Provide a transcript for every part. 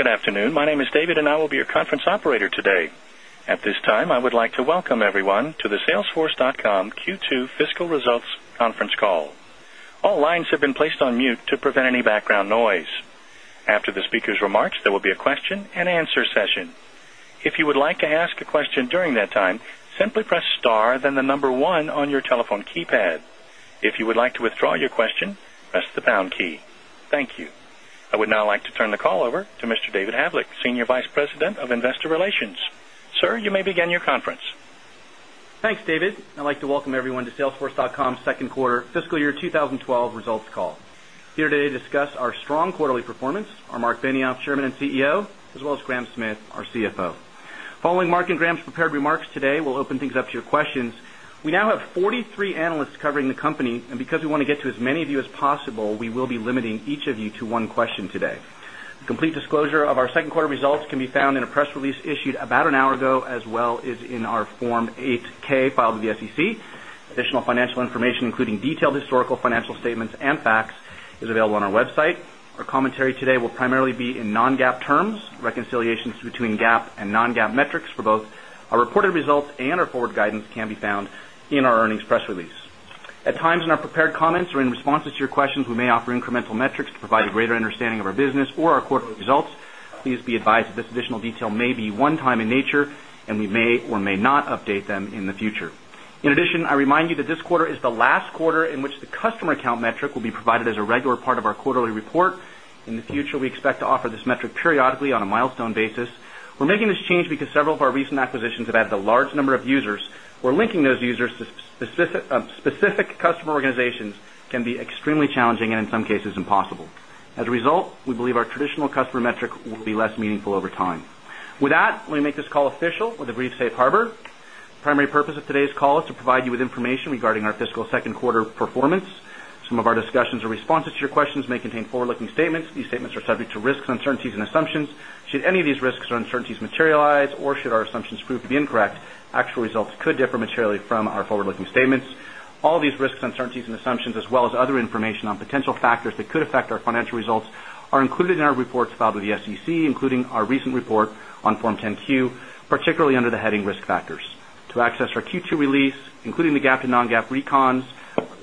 Good afternoon. My name is David, and I will be your Conference Operator today. At this time, I would like to welcome everyone to the Salesforce.com Q2 Fiscal Results Conference Call. All lines have been placed on mute to prevent any background noise. After the speakers' remarks, there will be a question and answer session. If you would like to ask a question during that time, simply press star then the number one on your telephone keypad. If you would like to withdraw your question, press the pound key. Thank you. I would now like to turn the call over to Mr. David Havlek, Senior Vice President of Investor Relations. Sir, you may begin your conference. Thanks, David. I'd like to welcome everyone to Salesforce.com's Second Quarter Fiscal Year 2012 results call. Here today to discuss our strong quarterly performance are Marc Benioff, Chairman and CEO, as well as Graham Smith, our CFO. Following Marc and Graham's prepared remarks today, we'll open things up to your questions. We now have 43 analysts covering the company, and because we want to get to as many of you as possible, we will be limiting each of you to one question today. A complete disclosure of our second quarter results can be found in a press release issued about an hour ago, as well as in our Form 8-K filed with the SEC. Additional financial information, including detailed historical financial statements and facts, is available on our website. Our commentary today will primarily be in non-GAAP terms. Reconciliations between GAAP and non-GAAP metrics for both our reported results and our forward guidance can be found in our earnings press release. At times in our prepared comments or in responses to your questions, we may offer incremental metrics to provide a greater understanding of our business or our quarterly results. Please be advised that this additional detail may be one-time in nature, and we may or may not update them in the future. In addition, I remind you that this quarter is the last quarter in which the customer account metric will be provided as a regular part of our quarterly report. In the future, we expect to offer this metric periodically on a milestone basis. We're making this change because several of our recent acquisitions have added a large number of users, where linking those users to specific customer organizations can be extremely challenging and, in some cases, impossible. As a result, we believe our traditional customer metric will be less meaningful over time. With that, let me make this call official with a brief safe harbor. The primary purpose of today's call is to provide you with information regarding our fiscal second quarter performance. Some of our discussions or responses to your questions may contain forward-looking statements. These statements are subject to risks, uncertainties, and assumptions. Should any of these risks or uncertainties materialize, or should our assumptions prove to be incorrect, actual results could differ materially from our forward-looking statements. All of these risks, uncertainties, and assumptions, as well as other information on potential factors that could affect our financial results, are included in our reports filed with the SEC, including our recent report on Form 10-Q, particularly under the heading Risk Factors. To access our Q2 release, including the GAAP to non-GAAP recons,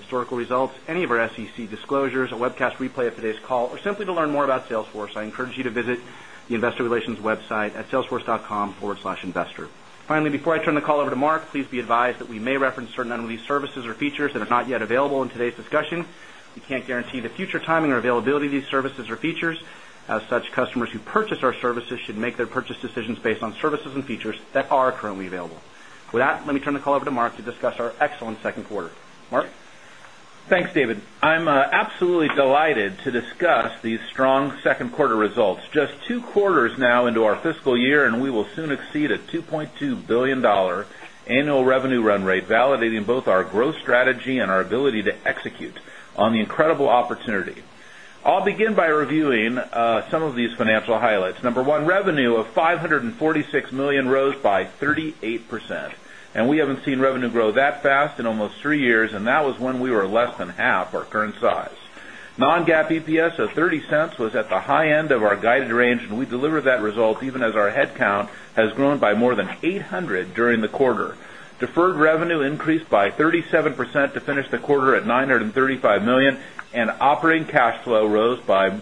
historical results, any of our SEC disclosures, a webcast replay of today's call, or simply to learn more about Salesforce, I encourage you to visit the Investor Relations website at Salesforce.com/investor. Finally, before I turn the call over to Marc, please be advised that we may reference certain unreleased services or features that are not yet available in today's discussion. We can't guarantee the future timing or availability of these services or features. As such, customers who purchase our services should make their purchase decisions based on services and features that are currently available. With that, let me turn the call over to Marc to discuss our excellent second quarter. Marc? Thanks, David. I'm absolutely delighted to discuss these strong second quarter results. Just two quarters now into our fiscal year, and we will soon exceed a $2.2 billion annual revenue run rate, validating both our growth strategy and our ability to execute on the incredible opportunity. I'll begin by reviewing some of these financial highlights. Number one, revenue of $546 million rose by 38%. We haven't seen revenue grow that fast in almost three years, and that was when we were less than 1/2 our current size. Non-GAAP EPS of $0.30 was at the high end of our guided range, and we delivered that result even as our headcount has grown by more than 800 during the quarter. Deferred revenue increased by 37% to finish the quarter at $935 million, and operating cash flow rose by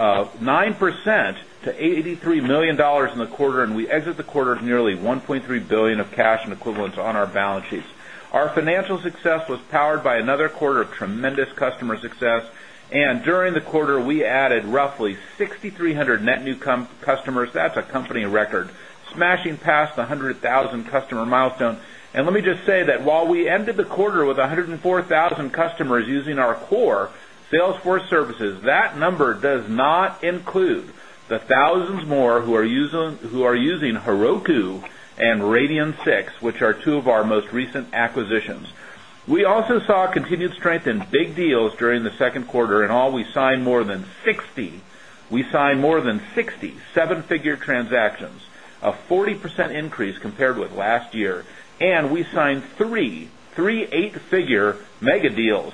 9% to $83 million in the quarter. We exited the quarter with nearly $1.3 billion of cash and equivalents on our balance sheets. Our financial success was powered by another quarter of tremendous customer success, and during the quarter, we added roughly 6,300 net new customers. That's a company record, smashing past the 100,000 customer milestone. Let me just say that while we ended the quarter with 104,000 customers using our core Salesforce services, that number does not include the thousands more who are using Heroku and Radian6, which are two of our most recent acquisitions. We also saw continued strength in big deals during the second quarter. We signed more than 60 seven-figure transactions, a 40% increase compared with last year. We signed three eight-figure mega deals.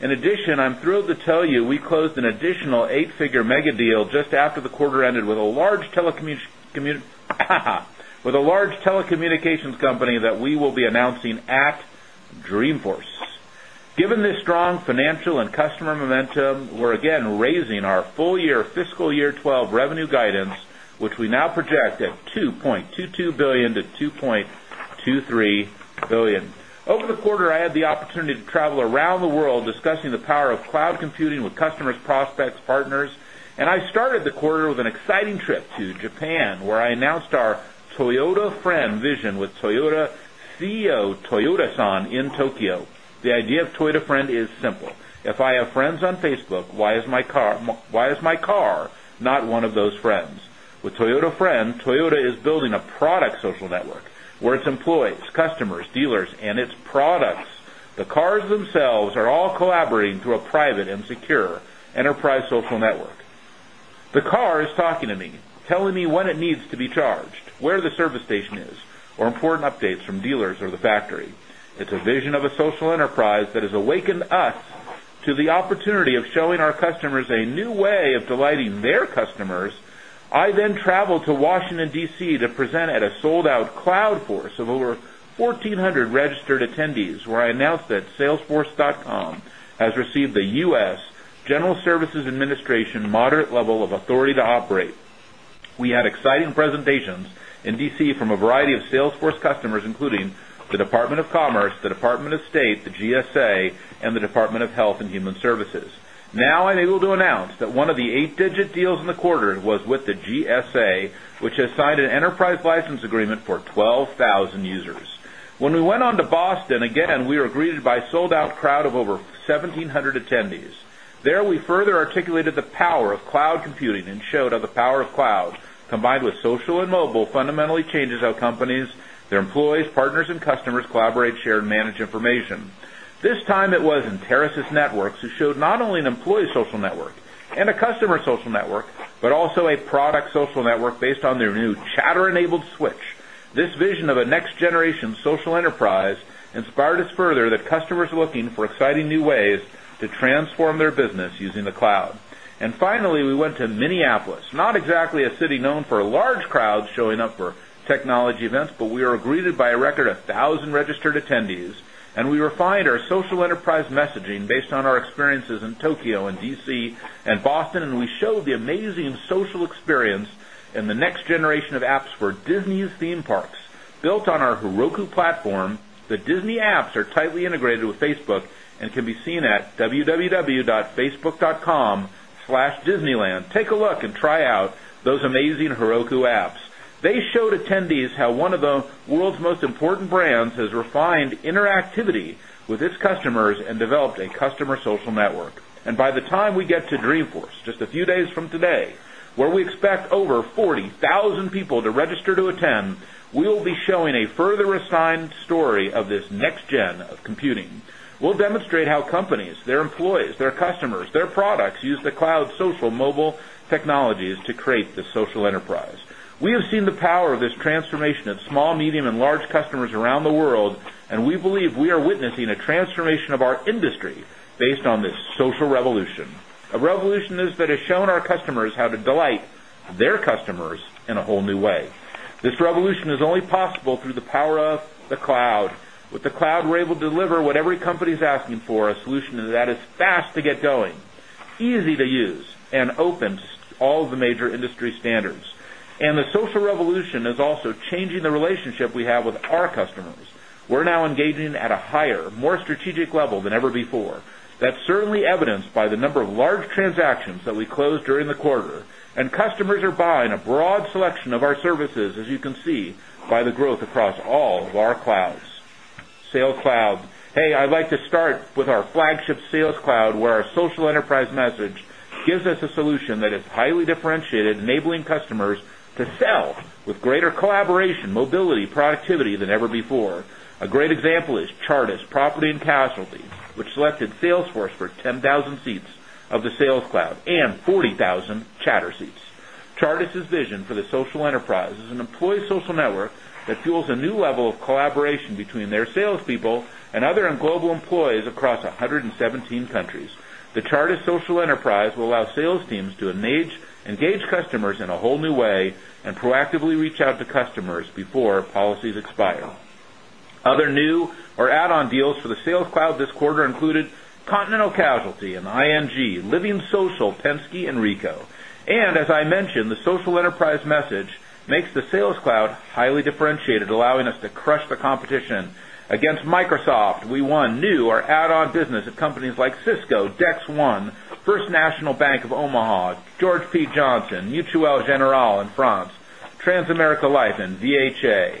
In addition, I'm thrilled to tell you we closed an additional eight-figure mega deal just after the quarter ended with a large telecommunications company that we will be announcing at Dreamforce. Given this strong financial and customer momentum, we're again raising our full-year fiscal year 2012 revenue guidance, which we now project at $2.22 billion-$2.23 billion. Over the quarter, I had the opportunity to travel around the world discussing the power of cloud computing with customers, prospects, partners, and I started the quarter with an exciting trip to Japan, where I announced our Toyota Friend vision with Toyota CEO Toyoda-san in Tokyo. The idea of Toyota Friend is simple. If I have friends on Facebook, why is my car not one of those friends? With Toyota Friend, Toyota is building a product social network where its employees, customers, dealers, and its products, the cars themselves, are all collaborating through a private and secure enterprise social network. The car is talking to me, telling me when it needs to be charged, where the service station is, or important updates from dealers or the factory. It's a vision of a social enterprise that has awakened us to the opportunity of showing our customers a new way of delighting their customers. I then traveled to Washington, D.C., to present at a sold-out Cloudforce of over 1,400 registered attendees, where I announced that Salesforce.com has received the U.S. General Services Administration moderate level of authority to operate. We had exciting presentations in D.C. from a variety of Salesforce customers, including the Department of Commerce, the Department of State, the GSA, and the Department of Health and Human Services. Now I'm able to announce that one of the eight-digit deals in the quarter was with the GSA, which has signed an enterprise license agreement for 12,000 users. When we went on to Boston, again, we were greeted by a sold-out crowd of over 1,700 attendees. There, we further articulated the power of cloud computing and showed how the power of cloud, combined with social and mobile, fundamentally changes how companies, their employees, partners, and customers collaborate, share, and manage information. This time, it was Enterasys Networks who showed not only an employee social network and a customer social network, but also a product social network based on their new Chatter-enabled switch. This vision of a next-generation social enterprise inspired us further that customers are looking for exciting new ways to transform their business using the cloud. Finally, we went to Minneapolis, not exactly a city known for large crowds showing up for technology events, but we were greeted by a record of 1,000 registered attendees, and we refined our social enterprise messaging based on our experiences in Tokyo and D.C. and Boston, and we showed the amazing social experience in the next generation of apps for Disney's theme parks. Built on our Heroku platform, the Disney apps are tightly integrated with Facebook and can be seen at www.facebook.com/disneyland. Take a look and try out those amazing Heroku apps. They showed attendees how one of the world's most important brands has refined interactivity with its customers and developed a customer social network. By the time we get to Dreamforce, just a few days from today, where we expect over 40,000 people to register to attend, we will be showing a further refined story of this next gen of computing. We'll demonstrate how companies, their employees, their customers, their products use the cloud, social, mobile technologies to create the social enterprise. We have seen the power of this transformation of small, medium, and large customers around the world, and we believe we are witnessing a transformation of our industry based on this social revolution. A revolution that has shown our customers how to delight their customers in a whole new way. This revolution is only possible through the power of the cloud. With the cloud, we're able to deliver what every company is asking for, a solution that is fast to get going, easy to use, and open to all of the major industry standards. The social revolution is also changing the relationship we have with our customers. We're now engaging at a higher, more strategic level than ever before. That's certainly evidenced by the number of large transactions that we closed during the quarter, and customers are buying a broad selection of our services, as you can see by the growth across all of our clouds. Sales Cloud. I'd like to start with our flagship Sales Cloud, where our social enterprise message gives us a solution that is highly differentiated, enabling customers to sell with greater collaboration, mobility, and productivity than ever before. A great example is Chartis Property & Casualty, which selected Salesforce for 10,000 seats of the Sales Cloud and 40,000 Chatter seats. Chartis's vision for the social enterprise is an employee social network that fuels a new level of collaboration between their salespeople and other global employees across 117 countries. The Chartis social enterprise will allow sales teams to engage customers in a whole new way and proactively reach out to customers before policies expire. Other new or add-on deals for the Sales Cloud this quarter included Continental Casualty and ING, LivingSocial, Penske, and Ricoh. As I mentioned, the social enterprise message makes the Sales Cloud highly differentiated, allowing us to crush the competition. Against Microsoft, we won new or add-on business at companies like Cisco, Dex One, First National Bank of Omaha, George P. Johnson, La Mutuelle Générale in France, Transamerica Life, and VHA.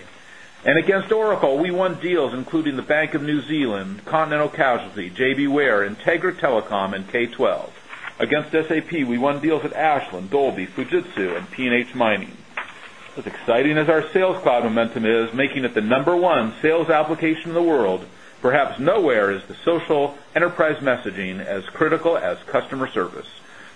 Against Oracle, we won deals including the Bank of New Zealand, Continental Casualty, JBWere, Integra Telecom, and K12. Against SAP, we won deals with Ashland, Dolby, Fujitsu, and P&H Mining. As exciting as our Sales Cloud momentum is, making it the number one sales application in the world, perhaps nowhere is the social enterprise messaging as critical as customer service.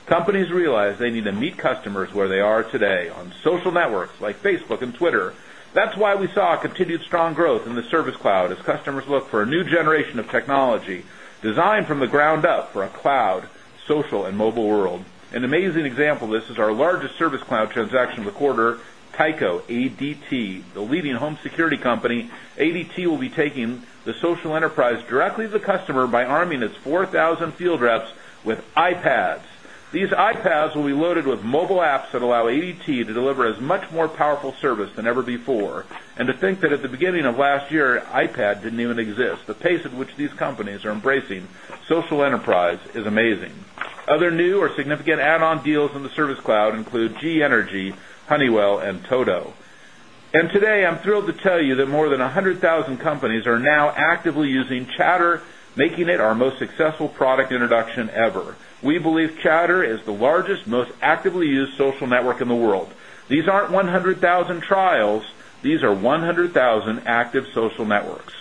Companies realize they need to meet customers where they are today on social networks like Facebook and Twitter. That's why we saw continued strong growth in the Service Cloud as customers look for a new generation of technology designed from the ground up for a cloud, social, and mobile world. An amazing example of this is our largest Service Cloud transaction of the quarter, Tyco ADT, the leading home security company. ADT will be taking the social enterprise directly to the customer by arming its 4,000 field reps with iPads. These iPads will be loaded with mobile apps that allow ADT to deliver a much more powerful service than ever before. To think that at the beginning of last year, iPad didn't even exist. The pace at which these companies are embracing social enterprise is amazing. Other new or significant add-on deals in the Service Cloud include G-Energy, Honeywell, and Toto. Today, I'm thrilled to tell you that more than 100,000 companies are now actively using Chatter, making it our most successful product introduction ever. We believe Chatter is the largest, most actively used social network in the world. These aren't 100,000 trials. These are 100,000 active social networks.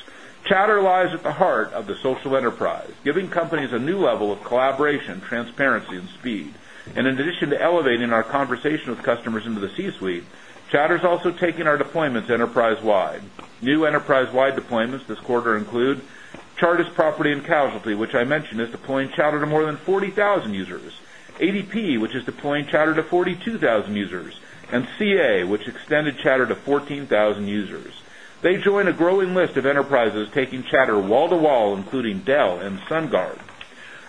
Chatter lies at the heart of the social enterprise, giving companies a new level of collaboration, transparency, and speed. In addition to elevating our conversation with customers into the C-suite, Chatter is also taking our deployments enterprise-wide. New enterprise-wide deployments this quarter include Chartis Property & Casualty, which I mentioned is deploying Chatter to more than 40,000 users, ADP, which is deploying Chatter to 42,000 users, and CA, which extended Chatter to 14,000 users. They join a growing list of enterprises taking Chatter wall to wall, including Dell and SunGard.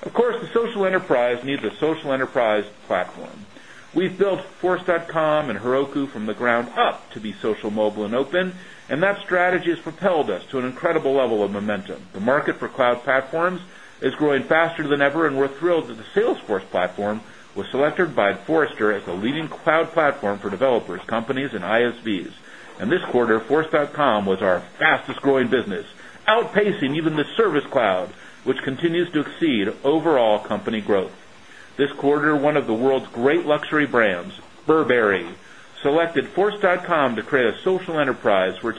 Of course, the social enterprise needs a social enterprise platform. We've built Force.com and Heroku from the ground up to be social, mobile, and open, and that strategy has propelled us to an incredible level of momentum. The market for cloud platforms is growing faster than ever, and we're thrilled that the Salesforce platform was selected by Forrester as the leading cloud platform for developers, companies, and ISVs. This quarter, Force.com was our fastest growing business, outpacing even the Service Cloud, which continues to exceed overall company growth. This quarter, one of the world's great luxury brands, Burberry, selected Force.com to create a social enterprise for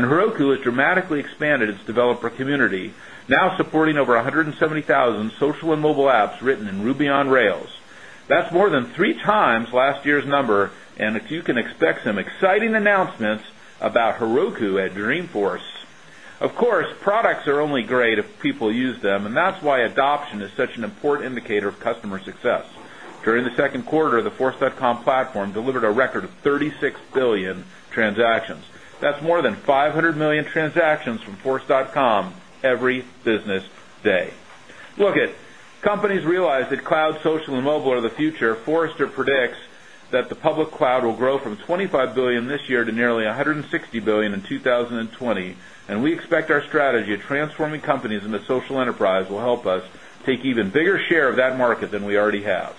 Heroku has dramatically expanded its developer community, now supporting over 170,000 social and mobile apps written in Ruby on Rails. That's more than 3x last year's number, and you can expect some exciting announcements about Heroku at Dreamforce. Of course, products are only great if people use them, and that's why adoption is such an important indicator of customer success. During the second quarter, the Force.com platform delivered a record of 36 billion transactions. That's more than 500 million transactions from Force.com every business day. Companies realize that cloud, social, and mobile are the future. Forrester predicts that the public cloud will grow from $25 billion this year to nearly $160 billion in 2020, and we expect our strategy of transforming companies into social enterprise will help us take even bigger share of that market than we already have.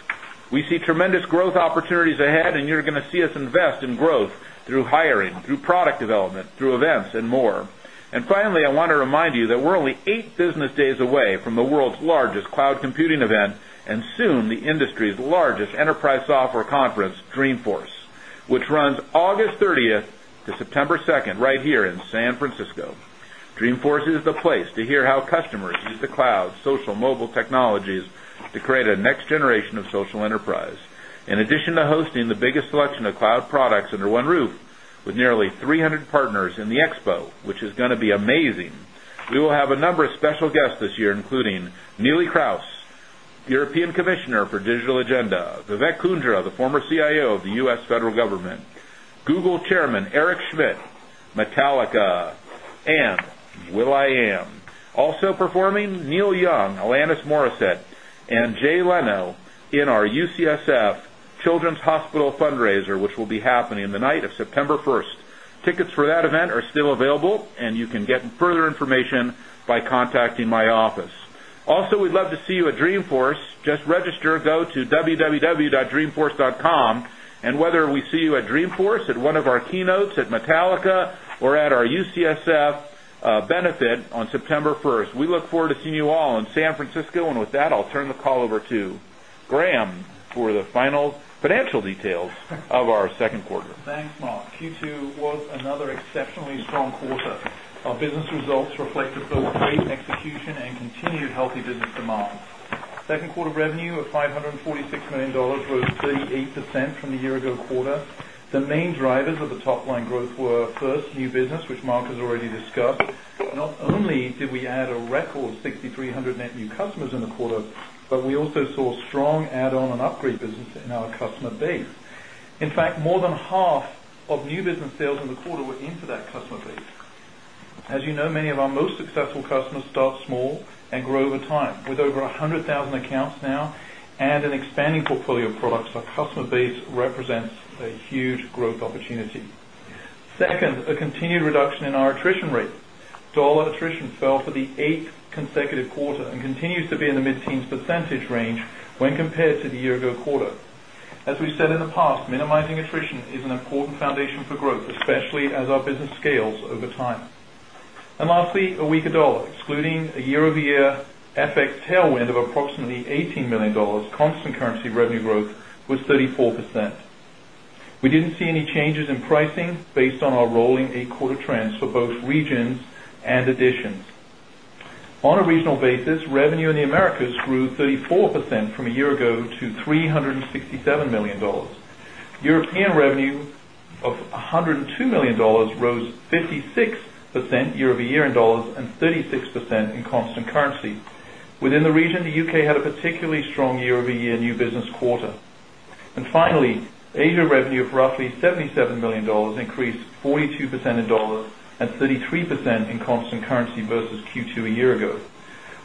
We see tremendous growth opportunities ahead, and you are going to see us invest in growth through hiring, through product development, through events, and more. Finally, I want to remind you that we are only eight business days away from the world's largest cloud computing event, and soon the industry's largest enterprise software conference, Dreamforce, which runs August 30th to September 2nd, right here in San Francisco. Dreamforce is the place to hear how customers use the cloud, social, mobile technologies to create a next generation of social enterprise. In addition to hosting the biggest selection of cloud products under one roof with nearly 300 partners in the Expo, which is going to be amazing, we will have a number of special guests this year, including Neelie Kroes, European Commissioner for Digital Agenda; Vivek Kundra, the former CIO of the U.S. federal government; Google Chairman Eric Schmidt; Metallica; and will.i.am. Also performing, Neil Young, Alanis Morissette, and Jay Leno in our UCSF Children's Hospital fundraiser, which will be happening the night of September 1st. Tickets for that event are still available, and you can get further information by contacting my office. We would love to see you at Dreamforce. Just register. Go to www.dreamforce.com. Whether we see you at Dreamforce, at one of our keynotes, at Metallica, or at our UCSF benefit on September 1, we look forward to seeing you all in San Francisco. With that, I will turn the call over to Graham for the final financial details of our second quarter. Thanks, Mark. Q2 was another exceptionally strong quarter. Our business results reflected both great execution and continued healthy business demand. Second quarter revenue of $546 million rose 38% from the year-ago quarter. The main drivers of the top-line growth were first new business, which Mark has already discussed. Not only did we add a record 6,300 net new customers in the quarter, but we also saw strong add-on and upgrade business in our customer base. In fact, more than 1/2 of new business sales in the quarter were into that customer base. As you know, many of our most successful customers start small and grow over time. With over 100,000 accounts now and an expanding portfolio of products, our customer base represents a huge growth opportunity. Second, a continued reduction in our attrition rate. Dollar attrition fell for the eighth consecutive quarter and continues to be in the mid-teens percentage range when compared to the year-ago quarter. As we've said in the past, minimizing attrition is an important foundation for growth, especially as our business scales over time. Lastly, a weaker dollar, excluding a year-over-year FX tailwind of approximately $18 million, constant currency revenue growth was 34%. We didn't see any changes in pricing based on our rolling eight-quarter trends for both regions and editions. On a regional basis, revenue in the Americas grew 34% from a year ago to $367 million. European revenue of $102 million rose 56% year-over-year in dollars and 36% in constant currency. Within the region, the U.K. had a particularly strong year-over-year new business quarter. Finally, Asia revenue of roughly $77 million increased 42% in dollar and 33% in constant currency versus Q2 a year ago.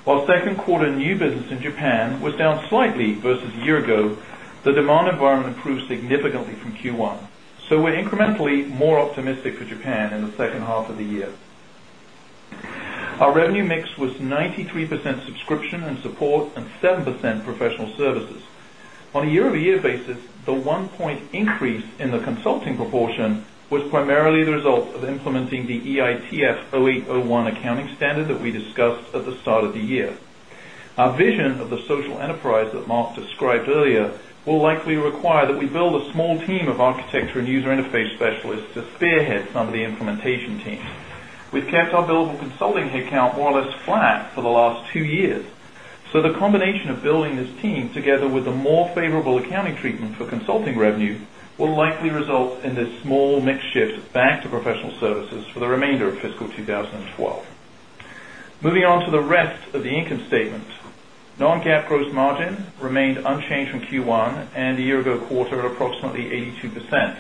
While second quarter new business in Japan was down slightly versus a year ago, the demand environment improved significantly from Q1. We're incrementally more optimistic for Japan in the second half of the year. Our revenue mix was 93% subscription and support and 7% professional services. On a year-over-year basis, the one point increase in the consulting proportion was primarily the result of implementing the EITF 08-01 accounting standard that we discussed at the start of the year. Our vision of the social enterprise that Mark described earlier will likely require that we build a small team of architecture and user interface specialists to spearhead some of the implementation team. We've kept our billable consulting headcount more or less flat for the last two years. The combination of building this team together with a more favorable accounting treatment for consulting revenue will likely result in this small mix shift back to professional services for the remainder of fiscal 2012. Moving on to the rest of the income statement, non-GAAP gross margin remained unchanged from Q1 and the year-ago quarter at approximately 82%.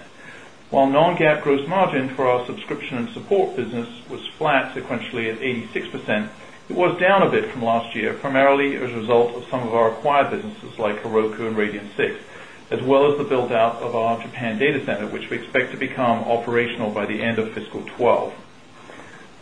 While non-GAAP gross margin for our subscription and support business was flat sequentially at 86%, it was down a bit from last year, primarily as a result of some of our acquired businesses like Heroku and Radian6, as well as the build-out of our Japan data center, which we expect to become operational by the end of fiscal 2012.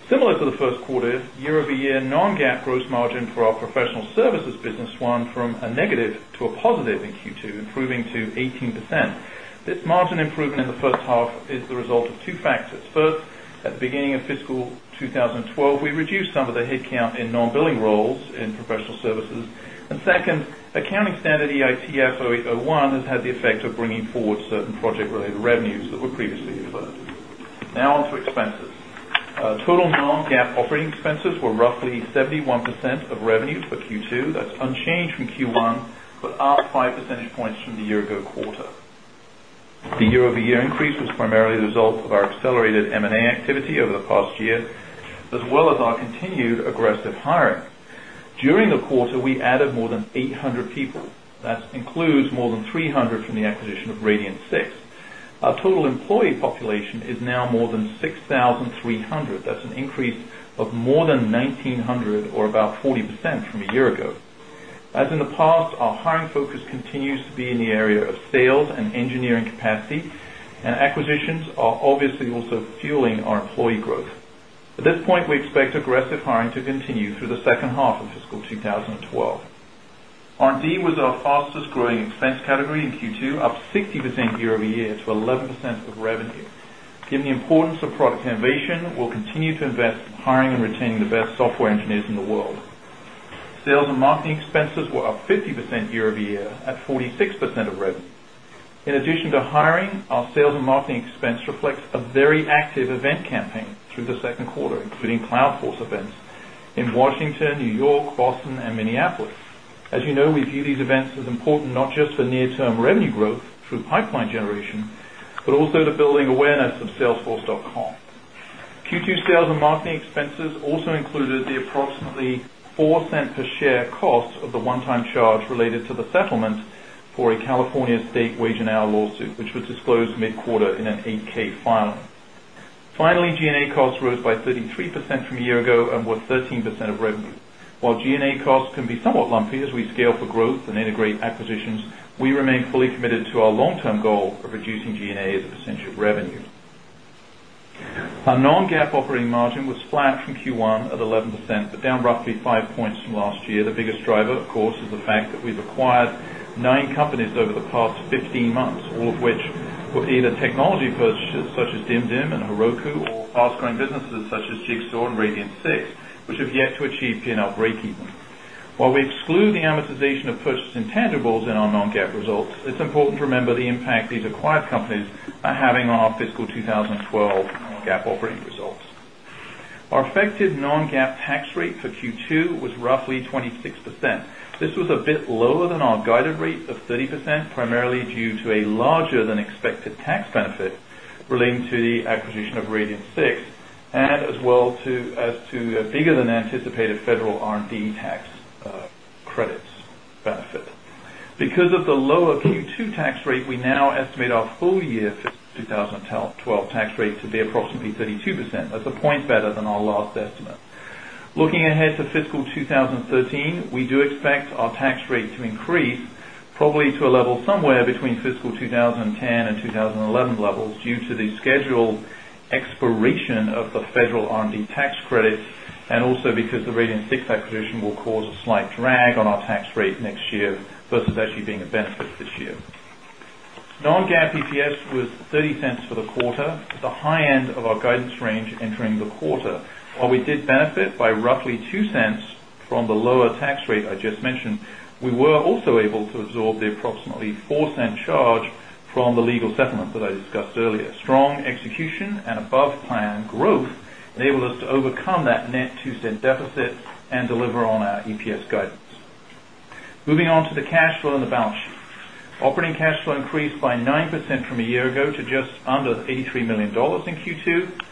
Similar to the first quarter, year-over-year non-GAAP gross margin for our professional services business swung from a negative to a positive in Q2, improving to 18%. This margin improvement in the first half is the result of two factors. First, at the beginning of fiscal 2012, we reduced some of the headcount in non-billing roles in professional services. Second, accounting standard EITF 08-01 has had the effect of bringing forward certain project-related revenues that were previously deferred. Now on to expenses. Total non-GAAP operating expenses were roughly 71% of revenue for Q2. That's unchanged from Q1, but up 5 percentage points from the year-ago quarter. The year-over-year increase was primarily the result of our accelerated M&A activity over the past year, as well as our continued aggressive hiring. During the quarter, we added more than 800 people. That includes more than 300 from the acquisition of Radian6. Our total employee population is now more than 6,300. That's an increase of more than 1,900 or about 40% from a year ago. As in the past, our hiring focus continues to be in the area of sales and engineering capacity, and acquisitions are obviously also fueling our employee growth. At this point, we expect aggressive hiring to continue through the second half of fiscal 2012. R&D was our fastest growing expense category in Q2, up 60% year-over-year to 11% of revenue. Given the importance of product innovation, we'll continue to invest in hiring and retaining the best software engineers in the world. Sales and marketing expenses were up 50% year-over-year at 46% of revenue. In addition to hiring, our sales and marketing expense reflects a very active event campaign through the second quarter, including Cloudforce events in Washington, New York, Boston, and Minneapolis. As you know, we view these events as important not just for near-term revenue growth through pipeline generation, but also to building awareness of Salesforce.com. Q2 sales and marketing expenses also included the approximately $0.04 per share cost of the one-time charge related to the settlement for a California state wage and hour lawsuit, which was disclosed mid-quarter in an 8-K filing. Finally, G&A costs rose by 33% from a year ago and were 13% of revenue. While G&A costs can be somewhat lumpy as we scale for growth and integrate acquisitions, we remain fully committed to our long-term goal of reducing G&A as a percentage of revenue. Our non-GAAP operating margin was flat from Q1 at 11%, but down roughly five points from last year. The biggest driver, of course, is the fact that we've acquired nine companies over the past 15 months, all of which were either technology purchases such as Dimdim and Heroku, or fast-growing businesses such as Jigsaw and Radian6, which have yet to achieve P&L breakeven. While we exclude the amortization of purchased intangibles in our non-GAAP results, it's important to remember the impact these acquired companies are having on our fiscal 2012 GAAP operating results. Our effective non-GAAP tax rate for Q2 was roughly 26%. This was a bit lower than our guided rate of 30%, primarily due to a larger than expected tax benefit relating to the acquisition of Radian6, and as well as to a bigger than anticipated federal R&D tax credits benefit. Because of the lower Q2 tax rate, we now estimate our full year fiscal 2012 tax rate to be approximately 32%. That's a point better than our last estimate. Looking ahead to fiscal 2013, we do expect our tax rate to increase probably to a level somewhere between fiscal 2010 and 2011 levels due to the scheduled expiration of the federal R&D tax credits and also because the Radian6 acquisition will cause a slight drag on our tax rate next year versus actually being a benefit this year. Non-GAAP EPS was $0.30 for the quarter at the high end of our guidance range entering the quarter. While we did benefit by roughly $0.02 from the lower tax rate I just mentioned, we were also able to absorb the approximately $0.04 charge from the legal settlement that I discussed earlier. Strong execution and above-plan growth enabled us to overcome that net $0.02 deficit and deliver on our EPS guidance. Moving on to the cash flow and the balance sheet. Operating cash flow increased by 9% from a year ago to just under $83 million in Q2.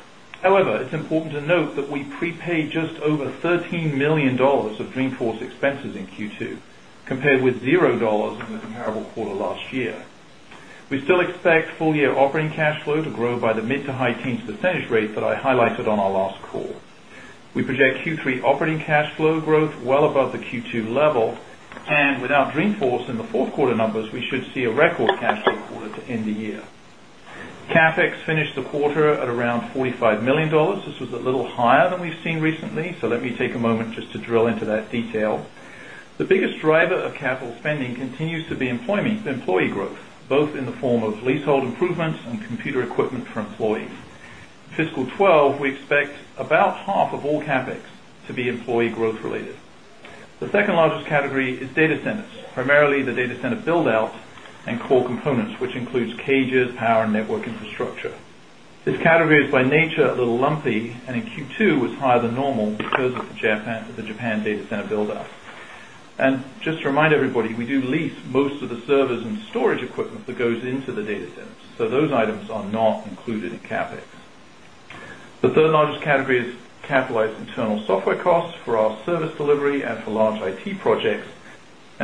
However, it's important to note that we prepaid just over $13 million of Dreamforce expenses in Q2, compared with $0 in the comparable quarter last year. We still expect full-year operating cash flow to grow by the mid-to-high teens percentage rate that I highlighted on our last call. We project Q3 operating cash flow growth well above the Q2 level, and without Dreamforce in the fourth quarter numbers, we should see a record cash flow quarter to end the year. CapEx finished the quarter at around $45 million. This was a little higher than we've seen recently, so let me take a moment just to drill into that detail. The biggest driver of capital spending continues to be employment for employee growth, both in the form of leasehold improvements and computer equipment for employees. In fiscal 2012, we expect about 1/2 of all CapEx to be employee growth related. The second largest category is data centers, primarily the data center build-out and core components, which includes cages, power, and network infrastructure. This category is by nature a little lumpy, and in Q2, it's higher than normal because of the Japan data center build-out. Just to remind everybody, we do lease most of the servers and storage equipment that goes into the data center, so those items are not included in CapEx. The third largest category is capitalized internal software costs for our service delivery and for large IT projects.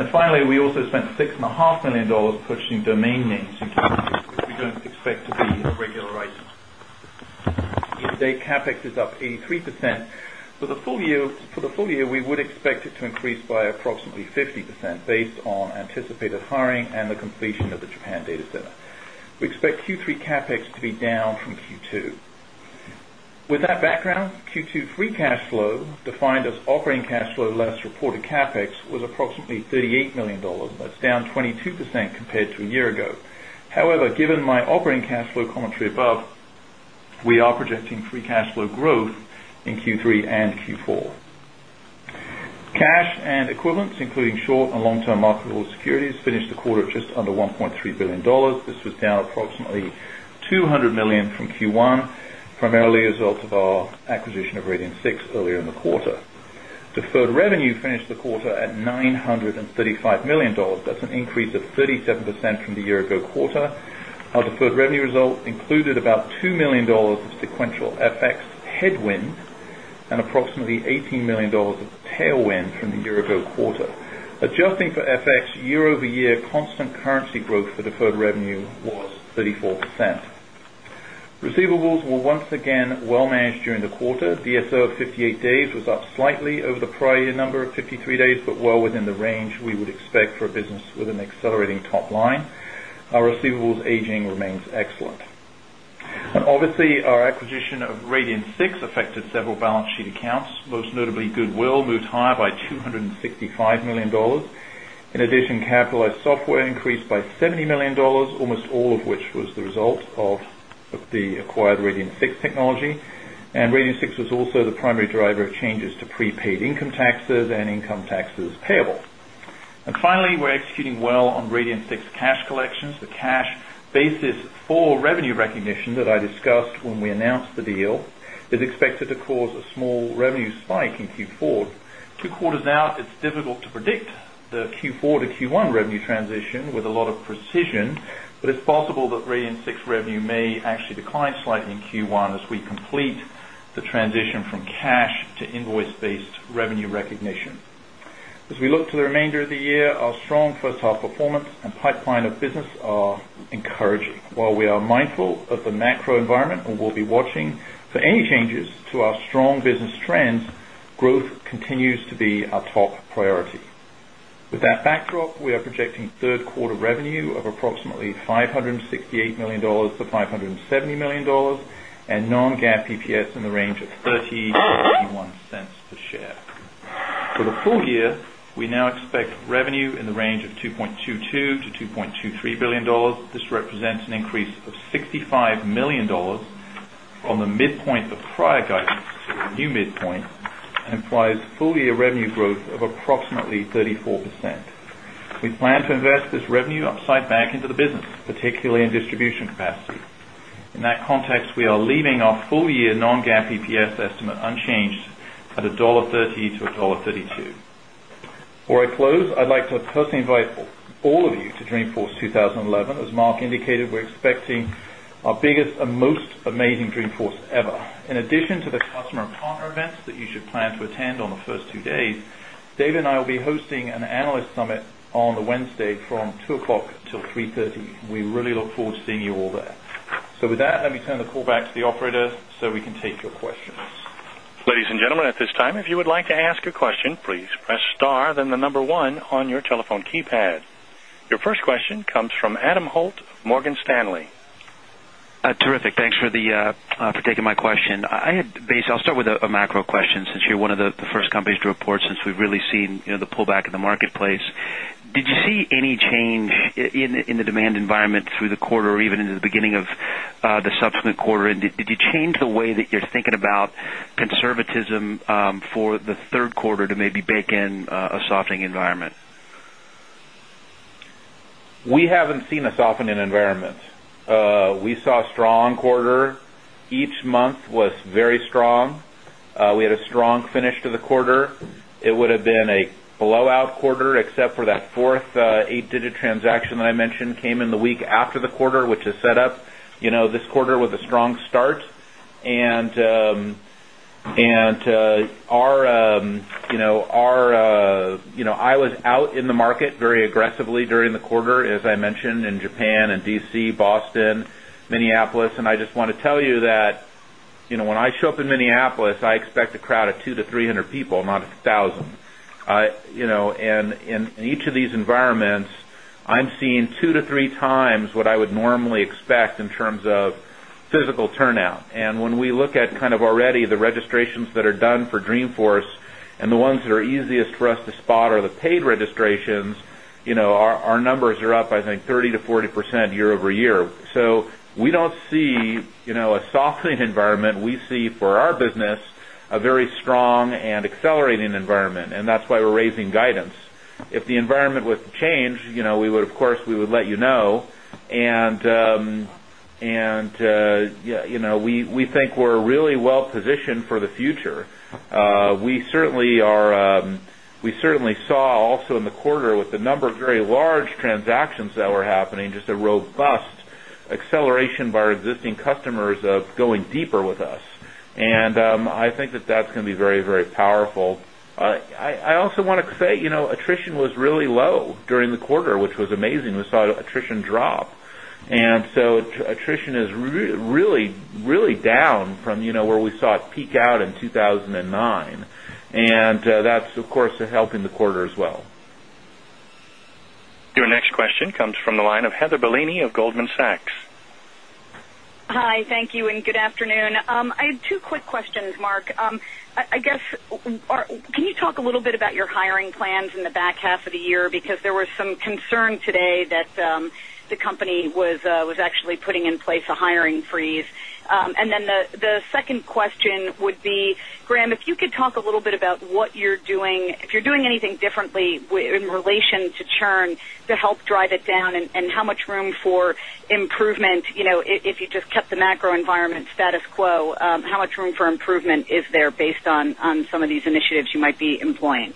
Finally, we also spent $6.5 million purchasing domain names and technologies. We don't expect to see a regular item. Year-to-date CapEx is up 83%. For the full year, we would expect it to increase by approximately 50% based on anticipated hiring and the completion of the Japan data center. We expect Q3 CapEx to be down from Q2. With that background, Q2 free cash flow, defined as operating cash flow less reported CapEx, was approximately $38 million. That's down 22% compared to a year ago. However, given my operating cash flow commentary above, we are projecting free cash flow growth in Q3 and Q4. Cash and equivalents, including short and long-term marketable securities, finished the quarter at just under $1.3 billion. This was down approximately $200 million from Q1, primarily a result of our acquisition of Radian6 earlier in the quarter. Deferred revenue finished the quarter at $935 million. That's an increase of 37% from the year-ago quarter. Our deferred revenue result included about $2 million of sequential FX headwind and approximately $18 million of tailwind from the year-ago quarter. Adjusting for FX year-over-year, constant currency growth for deferred revenue was 34%. Receivables were once again well managed during the quarter. DSR of 58 days was up slightly over the prior year number of 53 days, but well within the range we would expect for a business with an accelerating top line. Our receivables aging remains excellent. Obviously, our acquisition of Radian6 affected several balance sheet accounts. Most notably, goodwill moved higher by $265 million. In addition, capitalized software increased by $70 million, almost all of which was the result of the acquired Radian6 technology. Radian6 was also the primary driver of changes to prepaid income taxes and income taxes payable. Finally, we're executing well on Radian6 cash collections. The cash basis for revenue recognition that I discussed when we announced the deal did expect it to cause a small revenue spike in Q4. Two quarters out, it's difficult to predict the Q4 to Q1 revenue transition with a lot of precision, but it's possible that Radian6 revenue may actually decline slightly in Q1 as we complete the transition from cash to invoice-based revenue recognition. As we look to the remainder of the year, our strong first half performance and pipeline of business are encouraging. While we are mindful of the macro environment and will be watching for any changes to our strong business trends, growth continues to be our top priority. With that factor up, we are projecting third quarter revenue of approximately $568 million-$570 million, and non-GAAP EPS in the range of $0.31 per share. For the full year, we now expect revenue in the range of $2.22 billion-$2.23 billion. This represents an increase of $65 million on the midpoint of prior GAAP, new midpoint, and implies full-year revenue growth of approximately 34%. We plan to invest this revenue upside back into the business, particularly in distribution capacity. In that context, we are leaving our full-year non-GAAP EPS estimate unchanged at $1.30-$1.32. For a close, I'd like to personally invite all of you to Dreamforce 2011. As Marc indicated, we're expecting our biggest and most amazing Dreamforce ever. In addition to the customer and partner events that you should plan to attend on the first two days, David and I will be hosting an analyst summit on the Wednesday from 2:00 P.M. until 3:30 P.M. We really look forward to seeing you all there. Let me turn the call back to the operator so we can take your question. Ladies and gentlemen, at this time, if you would like to ask a question, please press star then the number one on your telephone keypad. Your first question comes from Adam Holt, Morgan Stanley. Terrific. Thanks for taking my question. I'll start with a macro question since you're one of the first companies to report since we've really seen the pullback in the marketplace. Did you see any change in the demand environment through the quarter or even into the beginning of the subsequent quarter? Did you change the way that you're thinking about conservatism for the third quarter to maybe bake in a softening environment? We haven't seen a softening environment. We saw a strong quarter. Each month was very strong. We had a strong finish to the quarter. It would have been a blowout quarter except for that fourth eight-digit transaction that I mentioned came in the week after the quarter, which is set up. This quarter has a strong start. I was out in the market very aggressively during the quarter, as I mentioned, in Japan and D.C., Boston, Minneapolis. I just want to tell you that when I show up in Minneapolis, I expect a crowd of 200-300 people, not 1,000. In each of these environments, I'm seeing 2x-3x what I would normally expect in terms of physical turnout. When we look at already the registrations that are done for Dreamforce, and the ones that are easiest for us to spot are the paid registrations, our numbers are up, I think, 30%-40% year-over-year. We don't see a softening environment. We see for our business a very strong and accelerating environment. That's why we're raising guidance. If the environment would change, we would, of course, let you know. We think we're really well positioned for the future. We certainly saw also in the quarter with the number of very large transactions that were happening, just a robust acceleration by our existing customers of going deeper with us. I think that that's going to be very, very powerful. I also want to say attrition was really low during the quarter, which was amazing. We saw attrition drop. Attrition is really, really down from where we saw it peak out in 2009. That's, of course, helping the quarter as well. Your next question comes from the line of Heather Bellini of Goldman Sachs. Hi, thank you, and good afternoon. I had two quick questions, Marc. I guess, can you talk a little bit about your hiring plans in the back half of the year? There was some concern today that the company was actually putting in place a hiring freeze. The second question would be, Graham, if you could talk a little bit about what you're doing, if you're doing anything differently in relation to churn to help drive it down and how much room for improvement, you know, if you just kept the macro environment status quo, how much room for improvement is there based on some of these initiatives you might be employing?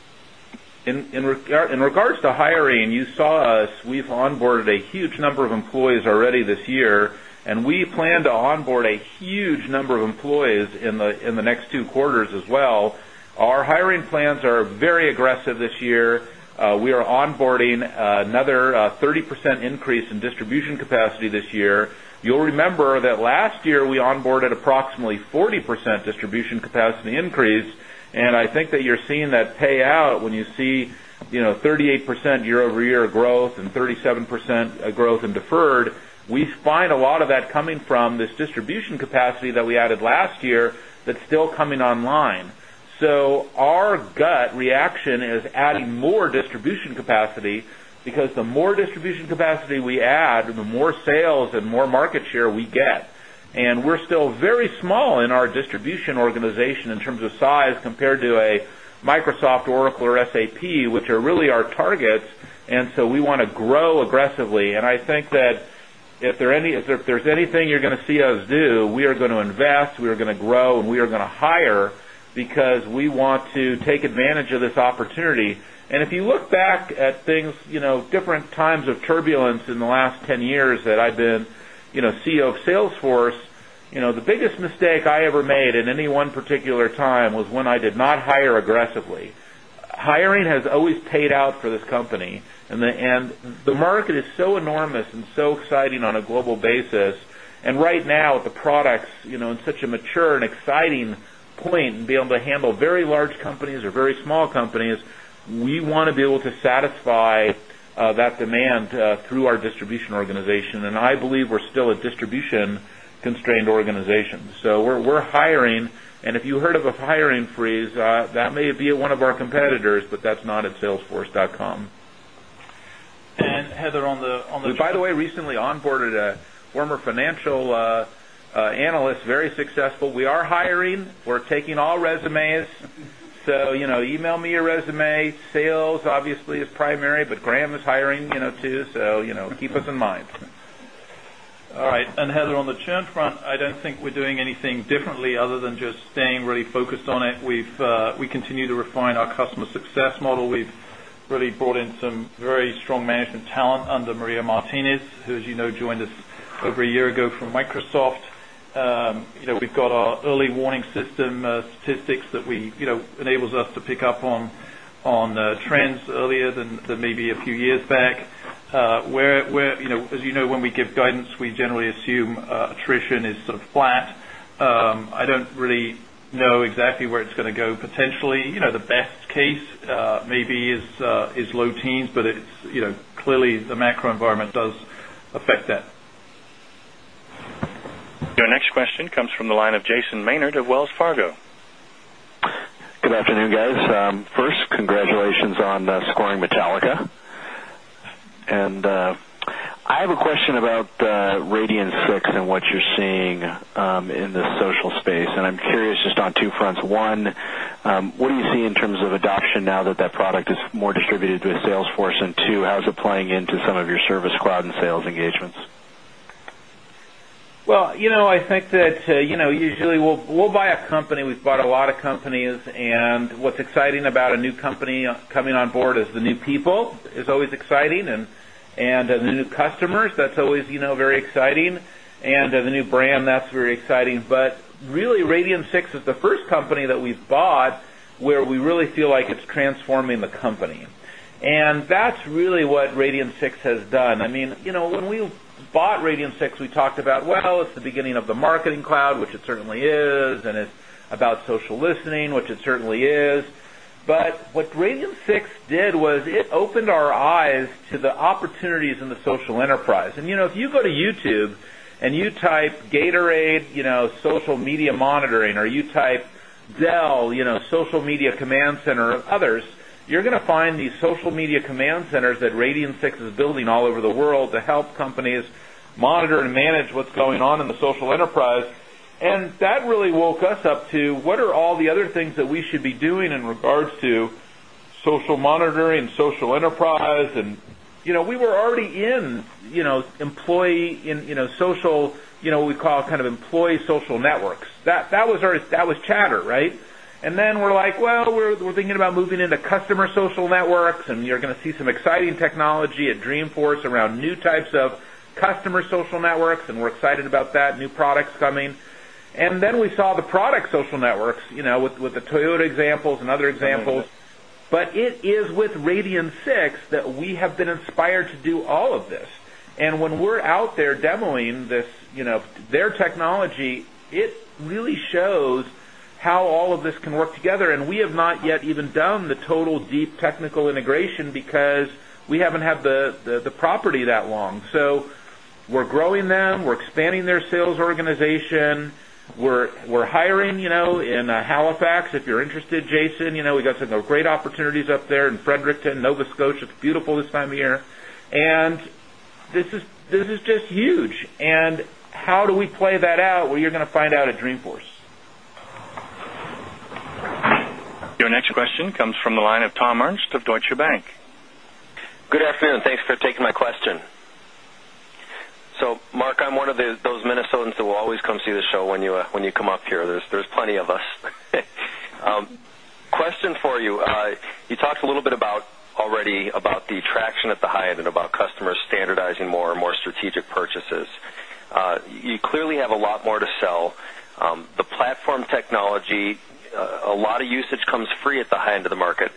In regards to hiring, you saw us, we've onboarded a huge number of employees already this year, and we plan to onboard a huge number of employees in the next two quarters as well. Our hiring plans are very aggressive this year. We are onboarding another 30% increase in distribution capacity this year. You'll remember that last year we onboarded approximately 40% distribution capacity increase. I think that you're seeing that payout when you see, you know, 38% year-over-year growth and 37% growth in deferred. We find a lot of that coming from this distribution capacity that we added last year that's still coming online. Our gut reaction is adding more distribution capacity because the more distribution capacity we add, the more sales and more market share we get. We're still very small in our distribution organization in terms of size compared to a Microsoft, Oracle, or SAP, which are really our targets. We want to grow aggressively. I think that if there's anything you're going to see us do, we are going to invest, we are going to grow, and we are going to hire because we want to take advantage of this opportunity. If you look back at things, you know, different times of turbulence in the last 10 years that I've been, you know, CEO of Salesforce, the biggest mistake I ever made in any one particular time was when I did not hire aggressively. Hiring has always paid out for this company. The market is so enormous and so exciting on a global basis. Right now, with the products, you know, in such a mature and exciting point and being able to handle very large companies or very small companies, we want to be able to satisfy that demand through our distribution organization. I believe we're still a distribution-constrained organization. We're hiring. If you heard of a hiring freeze, that may be one of our competitors, but that's not at Salesforce.com. Heather, by the way, recently onboarded a former financial analyst, very successful. We are hiring. We're taking all resumes. Email me your resume. Sales, obviously, is primary, but Graham is hiring, you know, too. Keep us in mind. All right. Heather, on the churn front, I don't think we're doing anything differently other than just staying really focused on it. We continue to refine our customer success model. We've really brought in some very strong management talent under Maria Martinez, who, as you know, joined us over a year ago from Microsoft. We've got our early warning system statistics that enable us to pick up on trends earlier than maybe a few years back. As you know, when we give guidance, we generally assume attrition is sort of flat. I don't really know exactly where it's going to go. Potentially, the best case maybe is low teens, but clearly the macro environment does affect that. Your next question comes from the line of Jason Maynard of Wells Fargo. Good afternoon, guys. First, congratulations on scoring Metallica. I have a question about Radian6 and what you're seeing in the social space. I'm curious just on two fronts. One, what do you see in terms of adoption now that that product is more distributed with Salesforce? Two, how is it playing into some of your Service Cloud and Sales engagements? I think that, you know, usually we'll buy a company. We've bought a lot of companies. What's exciting about a new company coming on board is the new people. It's always exciting. The new customers, that's always very exciting. The new brand, that's very exciting. Really, Radian6 is the first company that we've bought where we really feel like it's transforming the company. That's really what Radian6 has done. I mean, you know, when we bought Radian6, we talked about, well, it's the beginning of the Marketing Cloud, which it certainly is, and it's about social listening, which it certainly is. What Radian6 did was it opened our eyes to the opportunities in the social enterprise. If you go to YouTube and you type Gatorade, you know, social media monitoring, or you type Dell, you know, social media command center and others, you're going to find these social media command centers that Radian6 is building all over the world to help companies monitor and manage what's going on in the social enterprise. That really woke us up to what are all the other things that we should be doing in regards to social monitoring and social enterprise. We were already in, you know, employee, you know, social, you know, what we call kind of employee social networks. That was our, that was Chatter, right? We're thinking about moving into customer social networks, and you're going to see some exciting technology at Dreamforce around new types of customer social networks, and we're excited about that new products coming. We saw the product social networks, you know, with the Toyota examples and other examples. It is with Radian6 that we have been inspired to do all of this. When we're out there demoing this, you know, their technology, it really shows how all of this can work together. We have not yet even done the total deep technical integration because we haven't had the property that long. We're growing them. We're expanding their sales organization. We're hiring, you know, in Halifax, if you're interested, Jason, you know, we've got some great opportunities up there in Fredericton, Nova Scotia. It's beautiful this time of year. This is just huge. How do we play that out? You're going to find out at Dreamforce. Your next question comes from the line of Tom Ernst of Deutsche Bank. Good afternoon. Thanks for taking my question. Marc, I'm one of those Minnesotans that will always come see the show when you come up here. There's plenty of us. Question for you. You talked a little bit already about the traction at the high end and about customers standardizing more and more strategic purchases. You clearly have a lot more to sell. The platform technology, a lot of usage comes free at the high end of the market.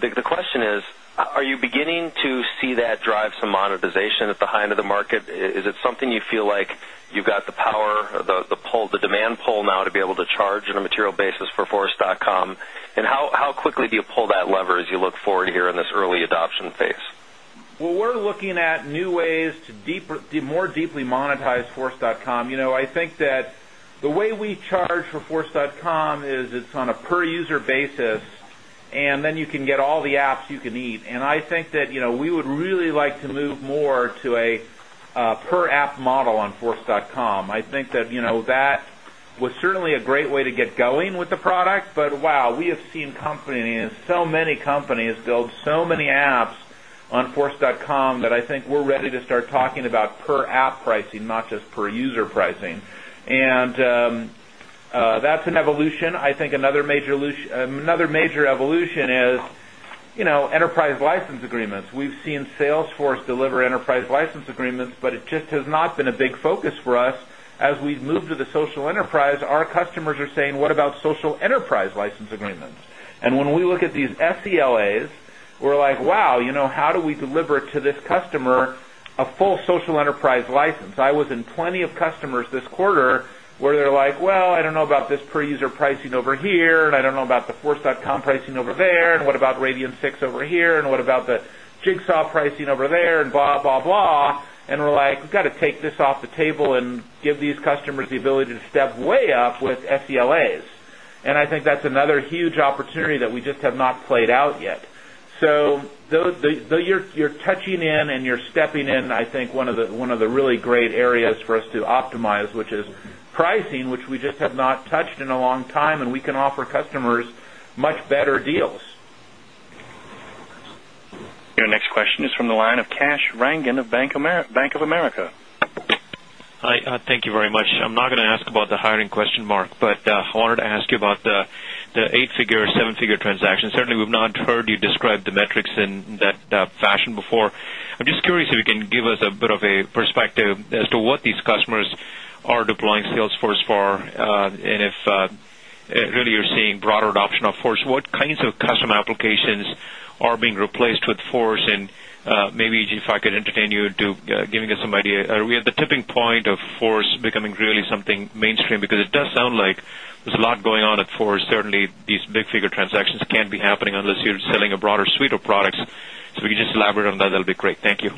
The question is, are you beginning to see that drive some monetization at the high end of the market? Is it something you feel like you've got the power, the demand pull now to be able to charge on a material basis for Force.com? How quickly do you pull that lever as you look forward here in this early adoption phase? We're looking at new ways to more deeply monetize Force.com. I think that the way we charge for Force.com is it's on a per-user basis, and then you can get all the apps you can eat. I think that we would really like to move more to a per-app model on Force.com. I think that was certainly a great way to get going with the products. Wow, we have seen companies, so many companies build so many apps on Force.com that I think we're ready to start talking about per-app pricing, not just per-user pricing. That's an evolution. I think another major evolution is enterprise license agreements. We've seen Salesforce deliver enterprise license agreements, but it just has not been a big focus for us. As we move to the social enterprise, our customers are saying, what about social enterprise license agreements? When we look at these SELAs, we're like, wow, how do we deliver to this customer a full social enterprise license? I was in plenty of customers this quarter where they're like, I don't know about this per-user pricing over here, and I don't know about the Force.com pricing over there, and what about Radian6 over here, and what about the Jigsaw pricing over there, and blah, blah, blah. We're like, we've got to take this off the table and give these customers the ability to step way up with SELAs. I think that's another huge opportunity that we just have not played out yet. Though you're touching in and you're stepping in, I think one of the really great areas for us to optimize, which is pricing, which we just have not touched in a long time, and we can offer customers much better deals. Your next question is from the line of Kash Rangan of Bank of America. Hi, thank you very much. I'm not going to ask about the hiring question, Marc, but I wanted to ask you about the eight-figure, seven-figure transactions. Certainly, we've not heard you describe the metrics in that fashion before. I'm just curious if you can give us a bit of a perspective as to what these customers are deploying Salesforce for, and if really you're seeing broader adoption of Force. What kinds of custom applications are being replaced with Force? Maybe if I could entertain you to giving us some idea, are we at the tipping point of Force becoming really something mainstream? It does sound like there's a lot going on at Force. Certainly, these big-figure transactions can't be happening unless you're selling a broader suite of products. If you could just elaborate on that, that would be great. Thank you.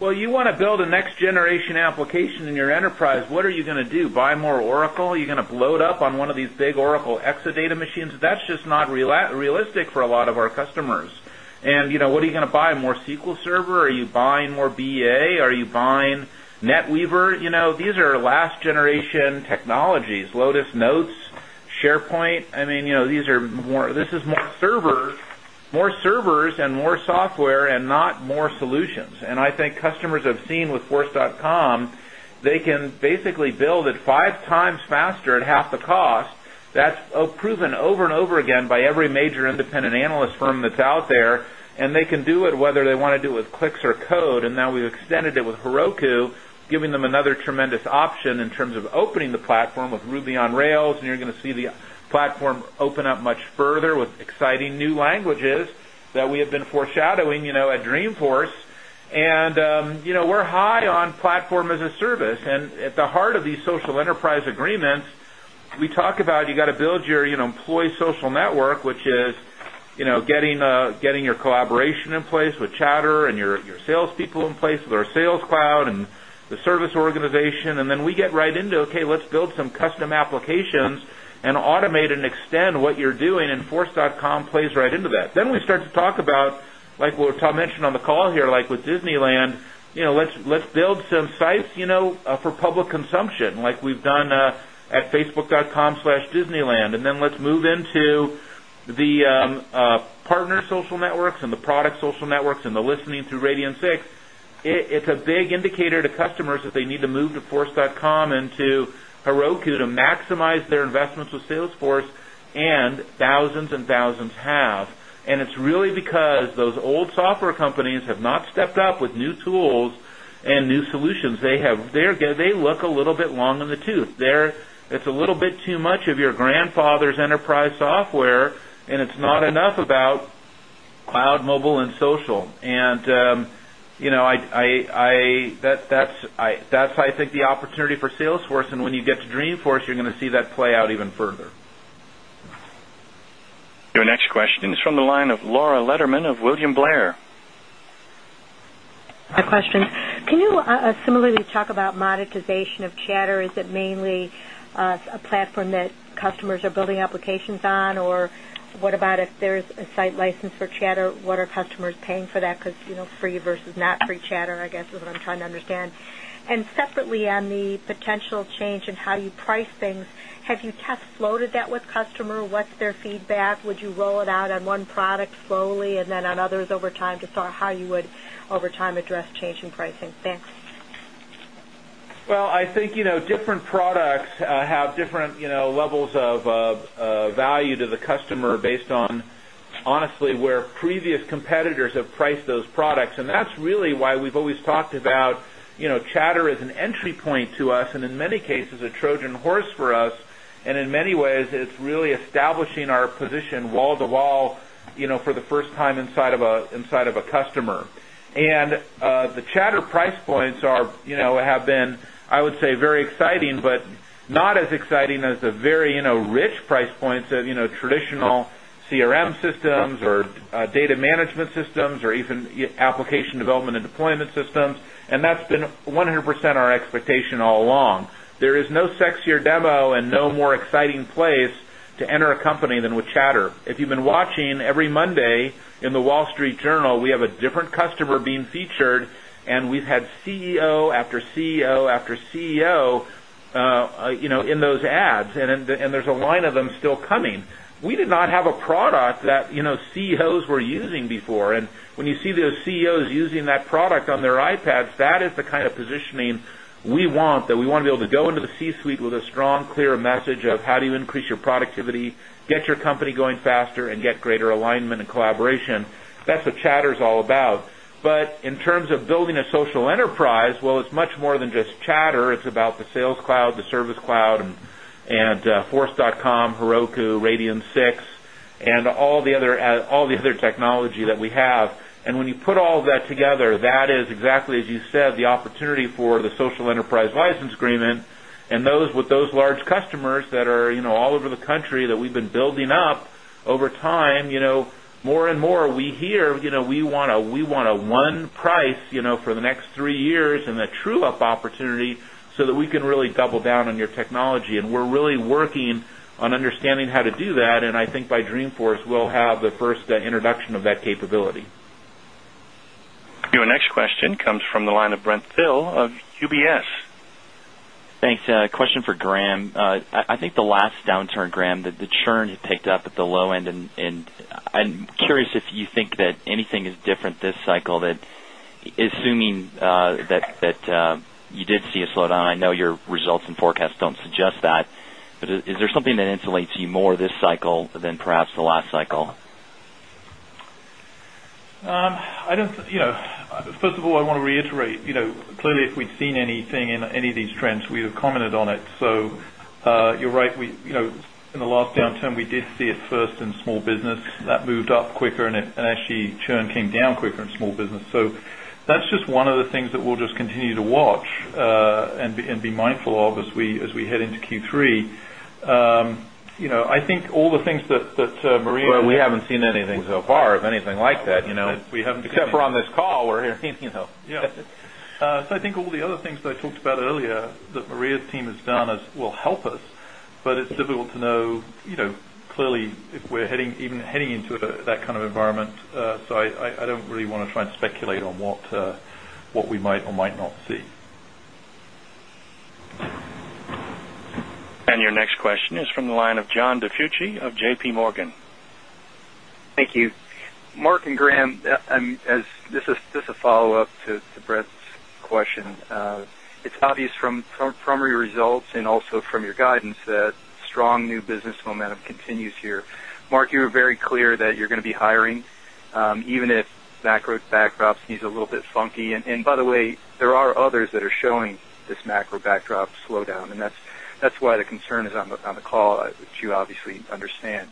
You want to build a next-generation application in your enterprise. What are you going to do? Buy more Oracle? Are you going to bloat up on one of these big Oracle Exadata machines? That's just not realistic for a lot of our customers. You know, what are you going to buy? More SQL Server? Are you buying more BA? Are you buying NetWeaver? You know, these are last-generation technologies. Lotus Notes, SharePoint. I mean, you know, these are more servers, more servers and more software and not more solutions. I think customers have seen with Force.com, they can basically build it 5x faster at half the cost. That's proven over and over again by every major independent analyst firm that's out there. They can do it whether they want to do it with Quix or Code. Now we've extended it with Heroku, giving them another tremendous option in terms of opening the platform with Ruby on Rails. You're going to see the platform open up much further with exciting new languages that we have been foreshadowing, you know, at Dreamforce. We're high on platform as a service. At the heart of these social enterprise agreements, we talk about you got to build your employee social network, which is, you know, getting your collaboration in place with Chatter and your salespeople in place with our Sales Cloud and the service organization. We get right into, OK, let's build some custom applications and automate and extend what you're doing. Force.com plays right into that. We start to talk about, like what Tom mentioned on the call here, like with Disneyland, you know, let's build some sites, you know, for public consumption, like we've done at Facebook.com/Disneyland. Let's move into the partner social networks and the product social networks and the listening through Radian6. It's a big indicator to customers that they need to move to Force.com and to Heroku to maximize their investments with Salesforce. Thousands and thousands have. It's really because those old software companies have not stepped up with new tools and new solutions. They look a little bit long in the tooth. It's a little bit too much of your grandfather's enterprise software, and it's not enough about cloud, mobile, and social. I think the opportunity for Salesforce is there. When you get to Dreamforce, you're going to see that play out even further. Your next question is from the line of Laura Lederman of William Blair. A question. Can you similarly talk about monetization of Chatter? Is it mainly a platform that customers are building applications on? Or what about if there's a site license for Chatter, what are customers paying for that? Because, you know, free versus not free Chatter, I guess, is what I'm trying to understand. Separately, on the potential change in how do you price things, have you test floated that with customers? What's their feedback? Would you roll it out on one product slowly and then on others over time to sort of how you would over time address change in pricing? Thanks. I think, you know, different products have different, you know, levels of value to the customer based on, honestly, where previous competitors have priced those products. That's really why we've always talked about, you know, Chatter as an entry point to us and in many cases a Trojan horse for us. In many ways, it's really establishing our position wall to wall, you know, for the first time inside of a customer. The Chatter price points are, you know, have been, I would say, very exciting, but not as exciting as the very, you know, rich price points of, you know, traditional CRM systems or data management systems or even application development and deployment systems. That's been 100% our expectation all along. There is no sexier demo and no more exciting place to enter a company than with Chatter. If you've been watching every Monday in The Wall Street Journal, we have a different customer being featured, and we've had CEO after CEO after CEO, you know, in those ads. There's a line of them still coming. We did not have a product that, you know, CEOs were using before. When you see those CEOs using that product on their iPads, that is the kind of positioning we want, that we want to be able to go into the C-suite with a strong, clear message of how do you increase your productivity, get your company going faster, and get greater alignment and collaboration. That's what Chatter is all about. In terms of building a social enterprise, it's much more than just Chatter. It's about the Sales Cloud, the Service Cloud, and Force.com, Heroku, Radian6, and all the other technology that we have. When you put all of that together, that is exactly, as you said, the opportunity for the social enterprise license agreement. With those large customers that are, you know, all over the country that we've been building up over time, you know, more and more we hear, you know, we want a one price, you know, for the next three years and a true up opportunity so that we can really double down on your technology. We're really working on understanding how to do that. I think by Dreamforce, we'll have the first introduction of that capability. Your next question comes from the line of Brent Thill of UBS. Thanks. A question for Graham. I think the last downturn, Graham, the churn had picked up at the low end. I'm curious if you think that anything is different this cycle that assuming that you did see a slowdown, I know your results and forecasts don't suggest that, is there something that insulates you more this cycle than perhaps the last cycle? I don't, you know, first of all, I want to reiterate, clearly if we'd seen anything in any of these trends, we'd have commented on it. You're right. In the last downturn, we did see it first in small business. That moved up quicker, and actually, churn came down quicker in small business. That's just one of the things that we'll just continue to watch and be mindful of as we head into Q3. I think all the things that Maria— We haven't seen anything so far of anything like that, you know, except for on this call we're hearing, you know. Yeah. I think all the other things that I talked about earlier that Maria's team has done will help us, but it's difficult to know, you know, clearly if we're even heading into that kind of environment. I don't really want to try and speculate on what we might or might not see. Your next question is from the line of John DiFucci of JPMorgan. Thank you. Mark and Graham, this is just a follow-up to Brent's question. It's obvious from your results and also from your guidance that strong new business momentum continues here. Mark, you were very clear that you're going to be hiring, even if the macro backdrop seems a little bit funky. By the way, there are others that are showing this macro backdrop slowdown. That's why the concern is on the call, which you obviously understand.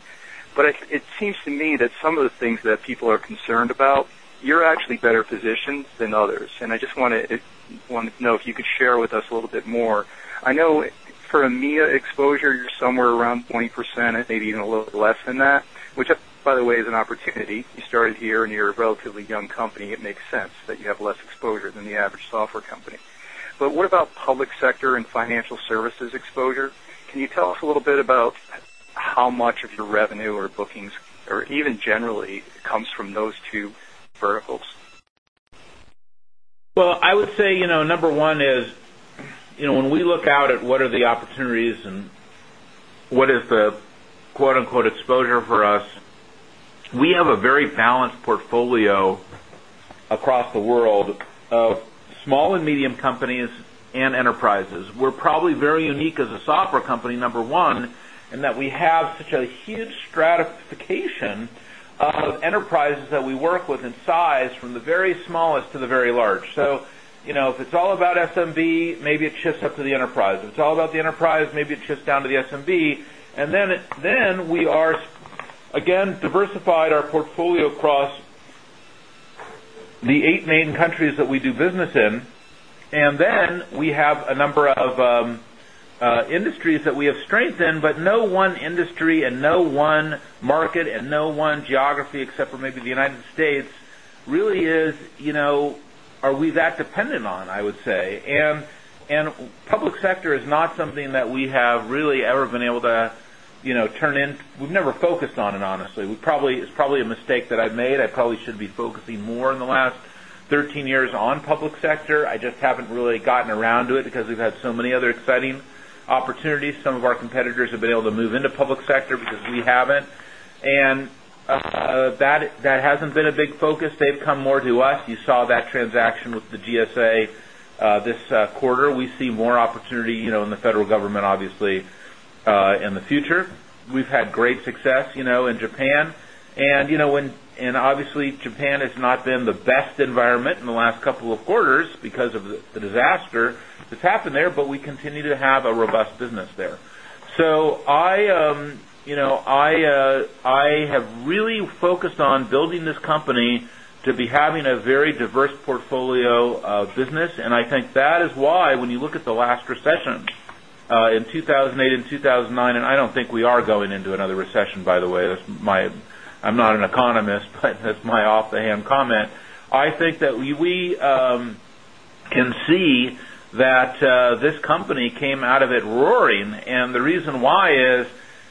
It seems to me that some of the things that people are concerned about, you're actually better positioned than others. I just want to know if you could share with us a little bit more. I know for EMEA exposure, you're somewhere around 20%, maybe even a little less than that, which, by the way, is an opportunity. You started here and you're a relatively young company. It makes sense that you have less exposure than the average software company. What about public sector and financial services exposure? Can you tell us a little bit about how much of your revenue or bookings or even generally comes from those two verticals? I would say, you know, number one is, you know, when we look out at what are the opportunities and what is the quote unquote exposure for us, we have a very balanced portfolio across the world of small and medium companies and enterprises. We're probably very unique as a software company, number one, in that we have such a huge stratification of enterprises that we work with in size from the very smallest to the very large. If it's all about SMB, maybe it shifts up to the enterprise. If it's all about the enterprise, maybe it shifts down to the SMB. We are, again, diversified our portfolio across the eight main countries that we do business in. We have a number of industries that we have strength in, but no one industry and no one market and no one geography, except for maybe the United States, really is, you know, are we that dependent on, I would say. Public sector is not something that we have really ever been able to, you know, turn in. We've never focused on it, honestly. It's probably a mistake that I made. I probably should be focusing more in the last 13 years on public sector. I just haven't really gotten around to it because we've had so many other exciting opportunities. Some of our competitors have been able to move into public sector because we haven't. That hasn't been a big focus. They've come more to us. You saw that transaction with the U.S. General Services Administration this quarter. We see more opportunity, you know, in the federal government, obviously, in the future. We've had great success, you know, in Japan. Obviously, Japan has not been the best environment in the last couple of quarters because of the disaster that's happened there, but we continue to have a robust business there. I, you know, I have really focused on building this company to be having a very diverse portfolio of business. I think that is why when you look at the last recessions in 2008 and 2009, and I don't think we are going into another recession, by the way. I'm not an economist, but that's my off-the-hand comment. I think that we can see that this company came out of it roaring. The reason why is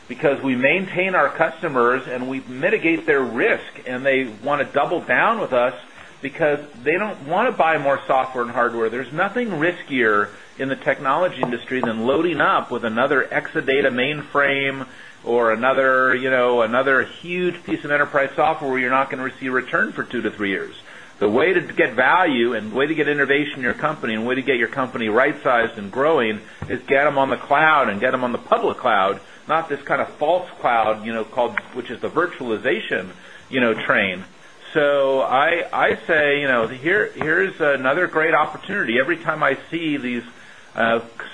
because we maintain our customers and we mitigate their risk. They want to double down with us because they don't want to buy more software and hardware. There's nothing riskier in the technology industry than loading up with another Exadata mainframe or another huge piece of enterprise software where you're not going to receive return for 2-3 years. The way to get value and the way to get innovation in your company and the way to get your company right sized and growing is get them on the cloud and get them on the public cloud, not this kind of false cloud, which is the virtualization train. I say here's another great opportunity. Every time I see these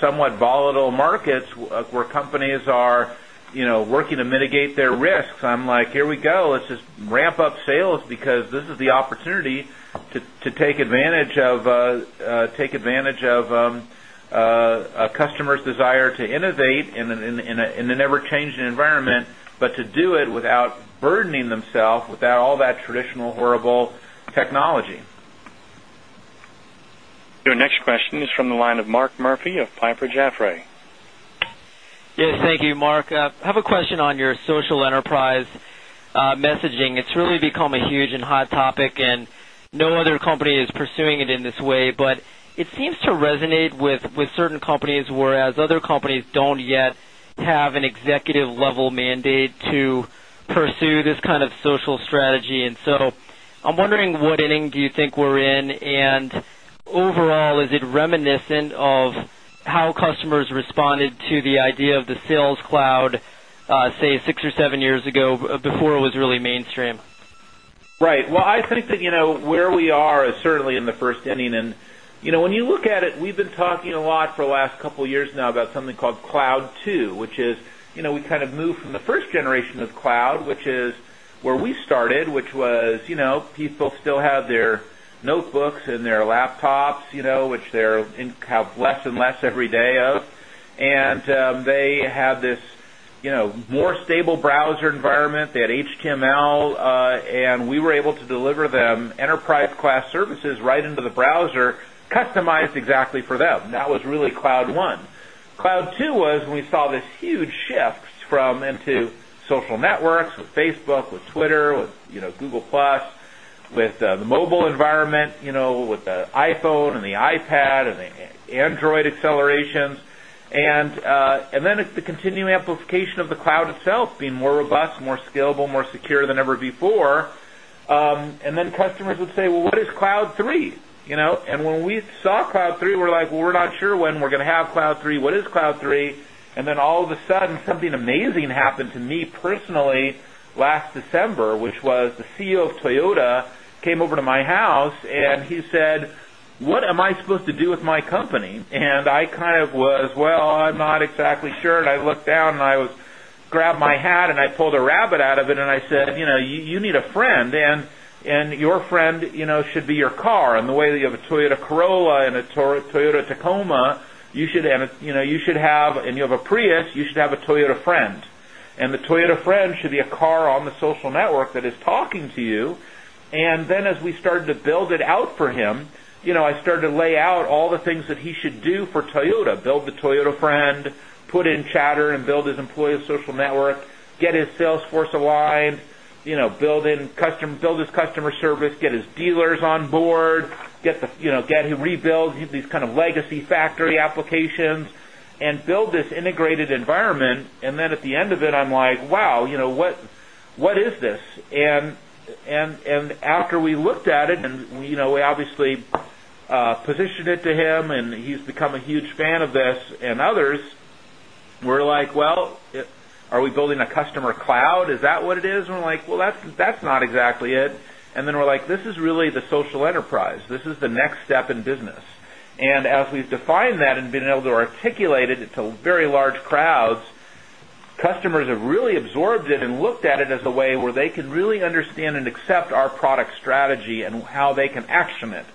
somewhat volatile markets where companies are working to mitigate their risks, I'm like, here we go. Let's just ramp up sales because this is the opportunity to take advantage of a customer's desire to innovate in an ever-changing environment, but to do it without burdening themselves with all that traditional horrible technology. Your next question is from the line of Mark Murphy of Piper Sandler. Yes, thank you, Marc. I have a question on your social enterprise messaging. It's really become a huge and hot topic, and no other company is pursuing it in this way. It seems to resonate with certain companies, whereas other companies don't yet have an executive-level mandate to pursue this kind of social strategy. I'm wondering what ending do you think we're in? Overall, is it reminiscent of how customers responded to the idea of the Sales Cloud, say, six or seven years ago before it was really mainstream? Right. I think that, you know, where we are is certainly in the first inning. You know, when you look at it, we've been talking a lot for the last couple of years now about something called Cloud 2, which is, you know, we kind of moved from the first generation of cloud, which is where we started, which was, you know, people still have their notebooks and their laptops, you know, which they have less and less every day of. They had this, you know, more stable browser environment. They had HTML. We were able to deliver them enterprise-class services right into the browser, customized exactly for them. That was really Cloud 1. Cloud 2 was when we saw this huge shift into social networks, with Facebook, with Twitter, with, you know, Google+, with the mobile environment, you know, with the iPhone and the iPad and the Android accelerations. The continued amplification of the cloud itself being more robust, more scalable, more secure than ever before. Customers would say, what is Cloud 3? You know, and when we saw Cloud 3, we're like, we're not sure when we're going to have Cloud 3. What is Cloud 3? All of a sudden, something amazing happened to me personally last December, which was the CEO of Toyota came over to my house and he said, what am I supposed to do with my company? I kind of was, I'm not exactly sure. I looked down and I grabbed my hat and I pulled a rabbit out of it and I said, you know, you need a friend. Your friend, you know, should be your car. The way that you have a Toyota Corolla and a Toyota Tacoma, you should, you know, you should have, and you have a Prius, you should have a Toyota friend. The Toyota friend should be a car on the social network that is talking to you. As we started to build it out for him, you know, I started to lay out all the things that he should do for Toyota. Build the Toyota friend, put in Chatter and build his employee social network, get his Salesforce aligned, you know, build in customer, build his customer service, get his dealers on board, get him to rebuild these kind of legacy factory applications, and build this integrated environment. At the end of it, I'm like, wow, you know, what is this? After we looked at it and, you know, we obviously positioned it to him and he's become a huge fan of this and others, we're like, are we building a customer cloud? Is that what it is? We're like, well, that's not exactly it. This is really the social enterprise. This is the next step in business. As we've defined that and been able to articulate it to very large crowds, customers have really absorbed it and looked at it as the way where they can really understand and accept our product strategy and how they can action it.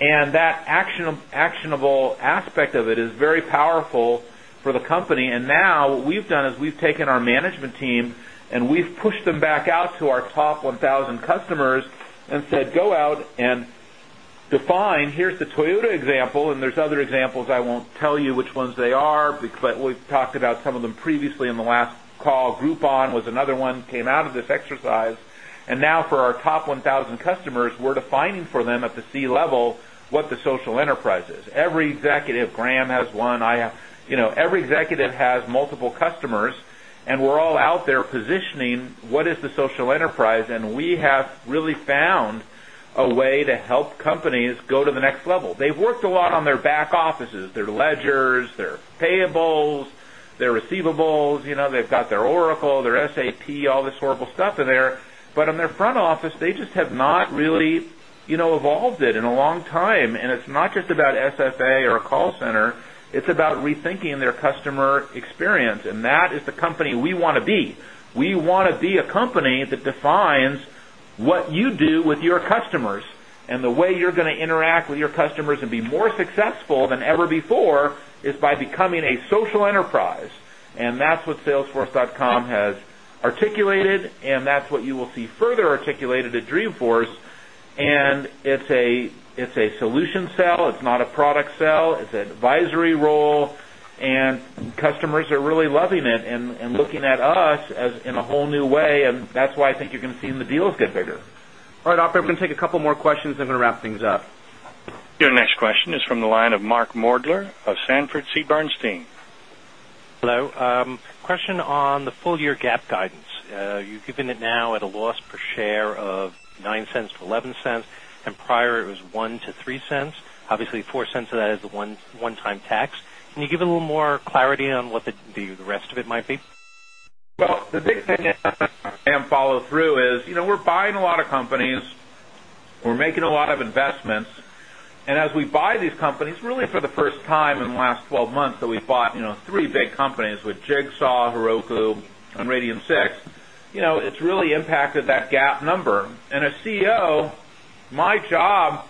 That actionable aspect of it is very powerful for the company. Now what we've done is we've taken our management team and we've pushed them back out to our top 1,000 customers and said, go out and define. Here's the Toyota example. There are other examples. I won't tell you which ones they are, but we've talked about some of them previously in the last call. Groupon was another one that came out of this exercise. Now for our top 1,000 customers, we're defining for them at the C-level what the social enterprise is. Every executive, Graham has one. You know, every executive has multiple customers. We're all out there positioning what is the social enterprise. We have really found a way to help companies go to the next level. They've worked a lot on their back offices, their ledgers, their payables, their receivables. You know, they've got their Oracle, their SAP, all this horrible stuff in there. On their front office, they just have not really, you know, evolved it in a long time. It's not just about SFA or a call center. It's about rethinking their customer experience. That is the company we want to be. We want to be a company that defines what you do with your customers. The way you're going to interact with your customers and be more successful than ever before is by becoming a social enterprise. That's what Salesforce.com has articulated. That's what you will see further articulated at Dreamforce. It's a solution sell. It's not a product sell. It's an advisory role. Customers are really loving it and looking at us in a whole new way. That's why I think you're going to see the deals get bigger. All right, I'm going to take a couple more questions. I'm going to wrap things up. Your next question is from the line of Mark Moerdler of Sandford C. Bernstein. Hello. Question on the full-year GAAP guidance. You've given it now at a loss per share of $0.09-$0.11. Prior, it was $0.01-$0.03. Obviously, $0.04 of that is the one-time tax. Can you give a little more clarity on what the rest of it might be? The big thing I am follow through is, you know, we're buying a lot of companies. We're making a lot of investments. As we buy these companies, really for the first time in the last 12 months, we've bought, you know, three big companies with Jigsaw, Heroku, and Radian6. It's really impacted that GAAP number. As CEO, my job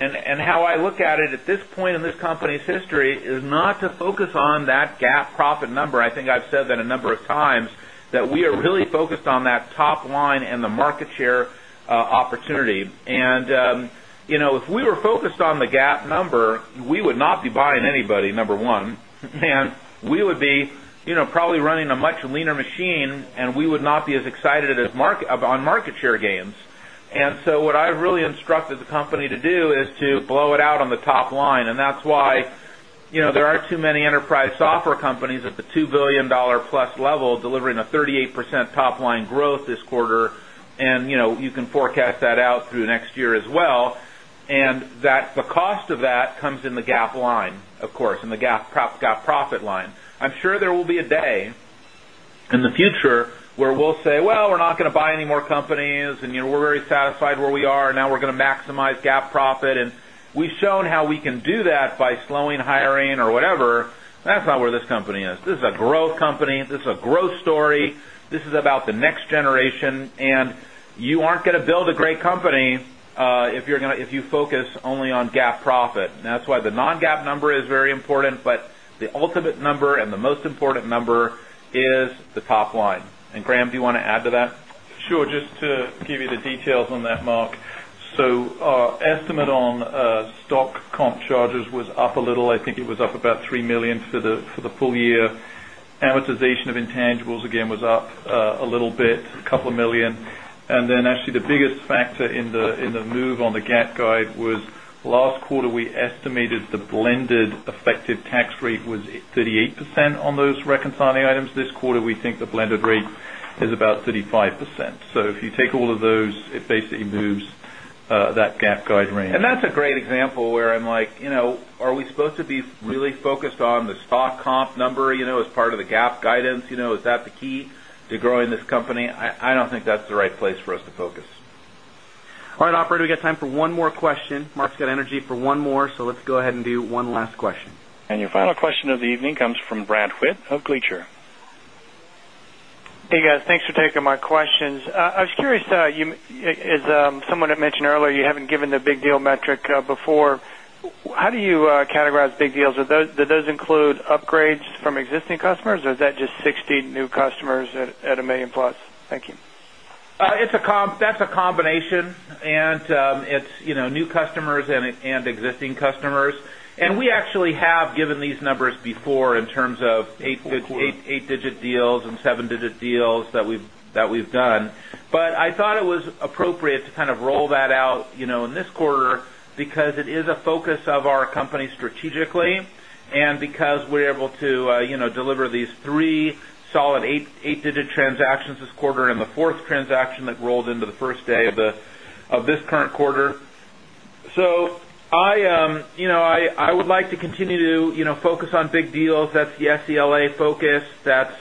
and how I look at it at this point in this company's history is not to focus on that GAAP profit number. I think I've said that a number of times that we are really focused on that top line and the market share opportunity. If we were focused on the GAAP number, we would not be buying anybody, number one. We would be, you know, probably running a much leaner machine. We would not be as excited on market share gains. What I've really instructed the company to do is to blow it out on the top line. That's why, you know, there aren't too many enterprise software companies at the $2 billion plus level delivering a 38% top line growth this quarter. You can forecast that out through next year as well. The cost of that comes in the GAAP line, of course, and the GAAP profit line. I'm sure there will be a day in the future where we'll say, we're not going to buy any more companies. We're very satisfied where we are. Now we're going to maximize GAAP profit. We've shown how we can do that by slowing hiring or whatever. That's not where this company is. This is a growth company. This is a growth story. This is about the next generation. You aren't going to build a great company if you focus only on GAAP profit. That's why the non-GAAP number is very important. The ultimate number and the most important number is the top line. Graham, do you want to add to that? Sure. Just to give you the details on that, Mark. Our estimate on stock comp charges was up a little. I think it was up about $3 million for the full year. Amortization of intangibles, again, was up a little bit, a couple of million. Actually, the biggest factor in the move on the GAAP guide was last quarter, we estimated the blended effective tax rate was 38% on those reconciling items. This quarter, we think the blended rate is about 35%. If you take all of those, it basically moves that GAAP guide range. That's a great example where I'm like, you know, are we supposed to be really focused on the stock comp number, you know, as part of the GAAP guidance? You know, is that the key to growing this company? I don't think that's the right place for us to focus. All right, operator, we got time for one more question. Marc's got energy for one more. Let's go ahead and do one last question. Your final question of the evening comes from Brad Zelnick of Jefferies. Hey, guys. Thanks for taking my questions. I was curious, as someone had mentioned earlier, you haven't given the big deal metric before. How do you categorize big deals? Do those include upgrades from existing customers? Or is that just 60 new customers at $1 million+? Thank you. That's a combination. It's new customers and existing customers. We actually have given these numbers before in terms of eight-digit deals and seven-digit deals that we've done. I thought it was appropriate to roll that out in this quarter because it is a focus of our company strategically. Because we're able to deliver these three solid eight-digit transactions this quarter and the fourth transaction that rolled into the first day of this current quarter, I would like to continue to focus on big deals. That's the SELA focus. That's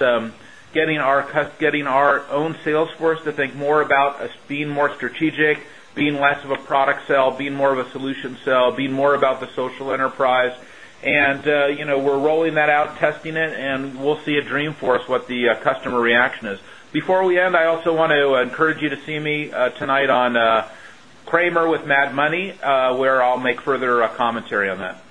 getting our own Salesforce to think more about us being more strategic, being less of a product sell, being more of a solution sell, being more about the social enterprise. We're rolling that out, testing it, and we'll see at Dreamforce what the customer reaction is. Before we end, I also want to encourage you to see me tonight on Cramer with Mad Money, where I'll make further commentary on that.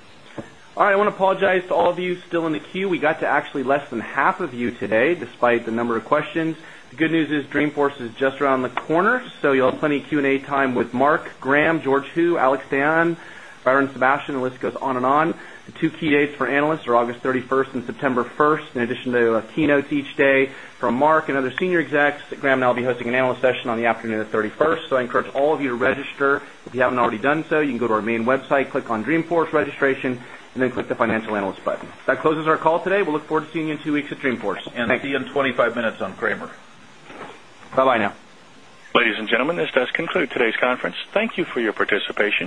All right. I want to apologize to all of you still in the queue. We got to actually less than half of you today despite the number of questions. The good news is Dreamforce is just around the corner. You'll have plenty of Q&A time with Marc, Graham, George Hu, Alex Dayon, Byron Sebastian, and the list goes on and on. The two key dates for analysts are August 31 and September 1. In addition to keynotes each day from Marc and other senior execs, Graham and I will be hosting an analyst session on the afternoon of the 31st. I encourage all of you to register. If you haven't already done so, you can go to our main website, click on Dreamforce registration, and then click the Financial Analyst button. That closes our call today. We'll look forward to seeing you in two weeks at Dreamforce. See you in 25 minutes on Kramer. Bye-bye now. Ladies and gentlemen, this does conclude today's conference. Thank you for your participation.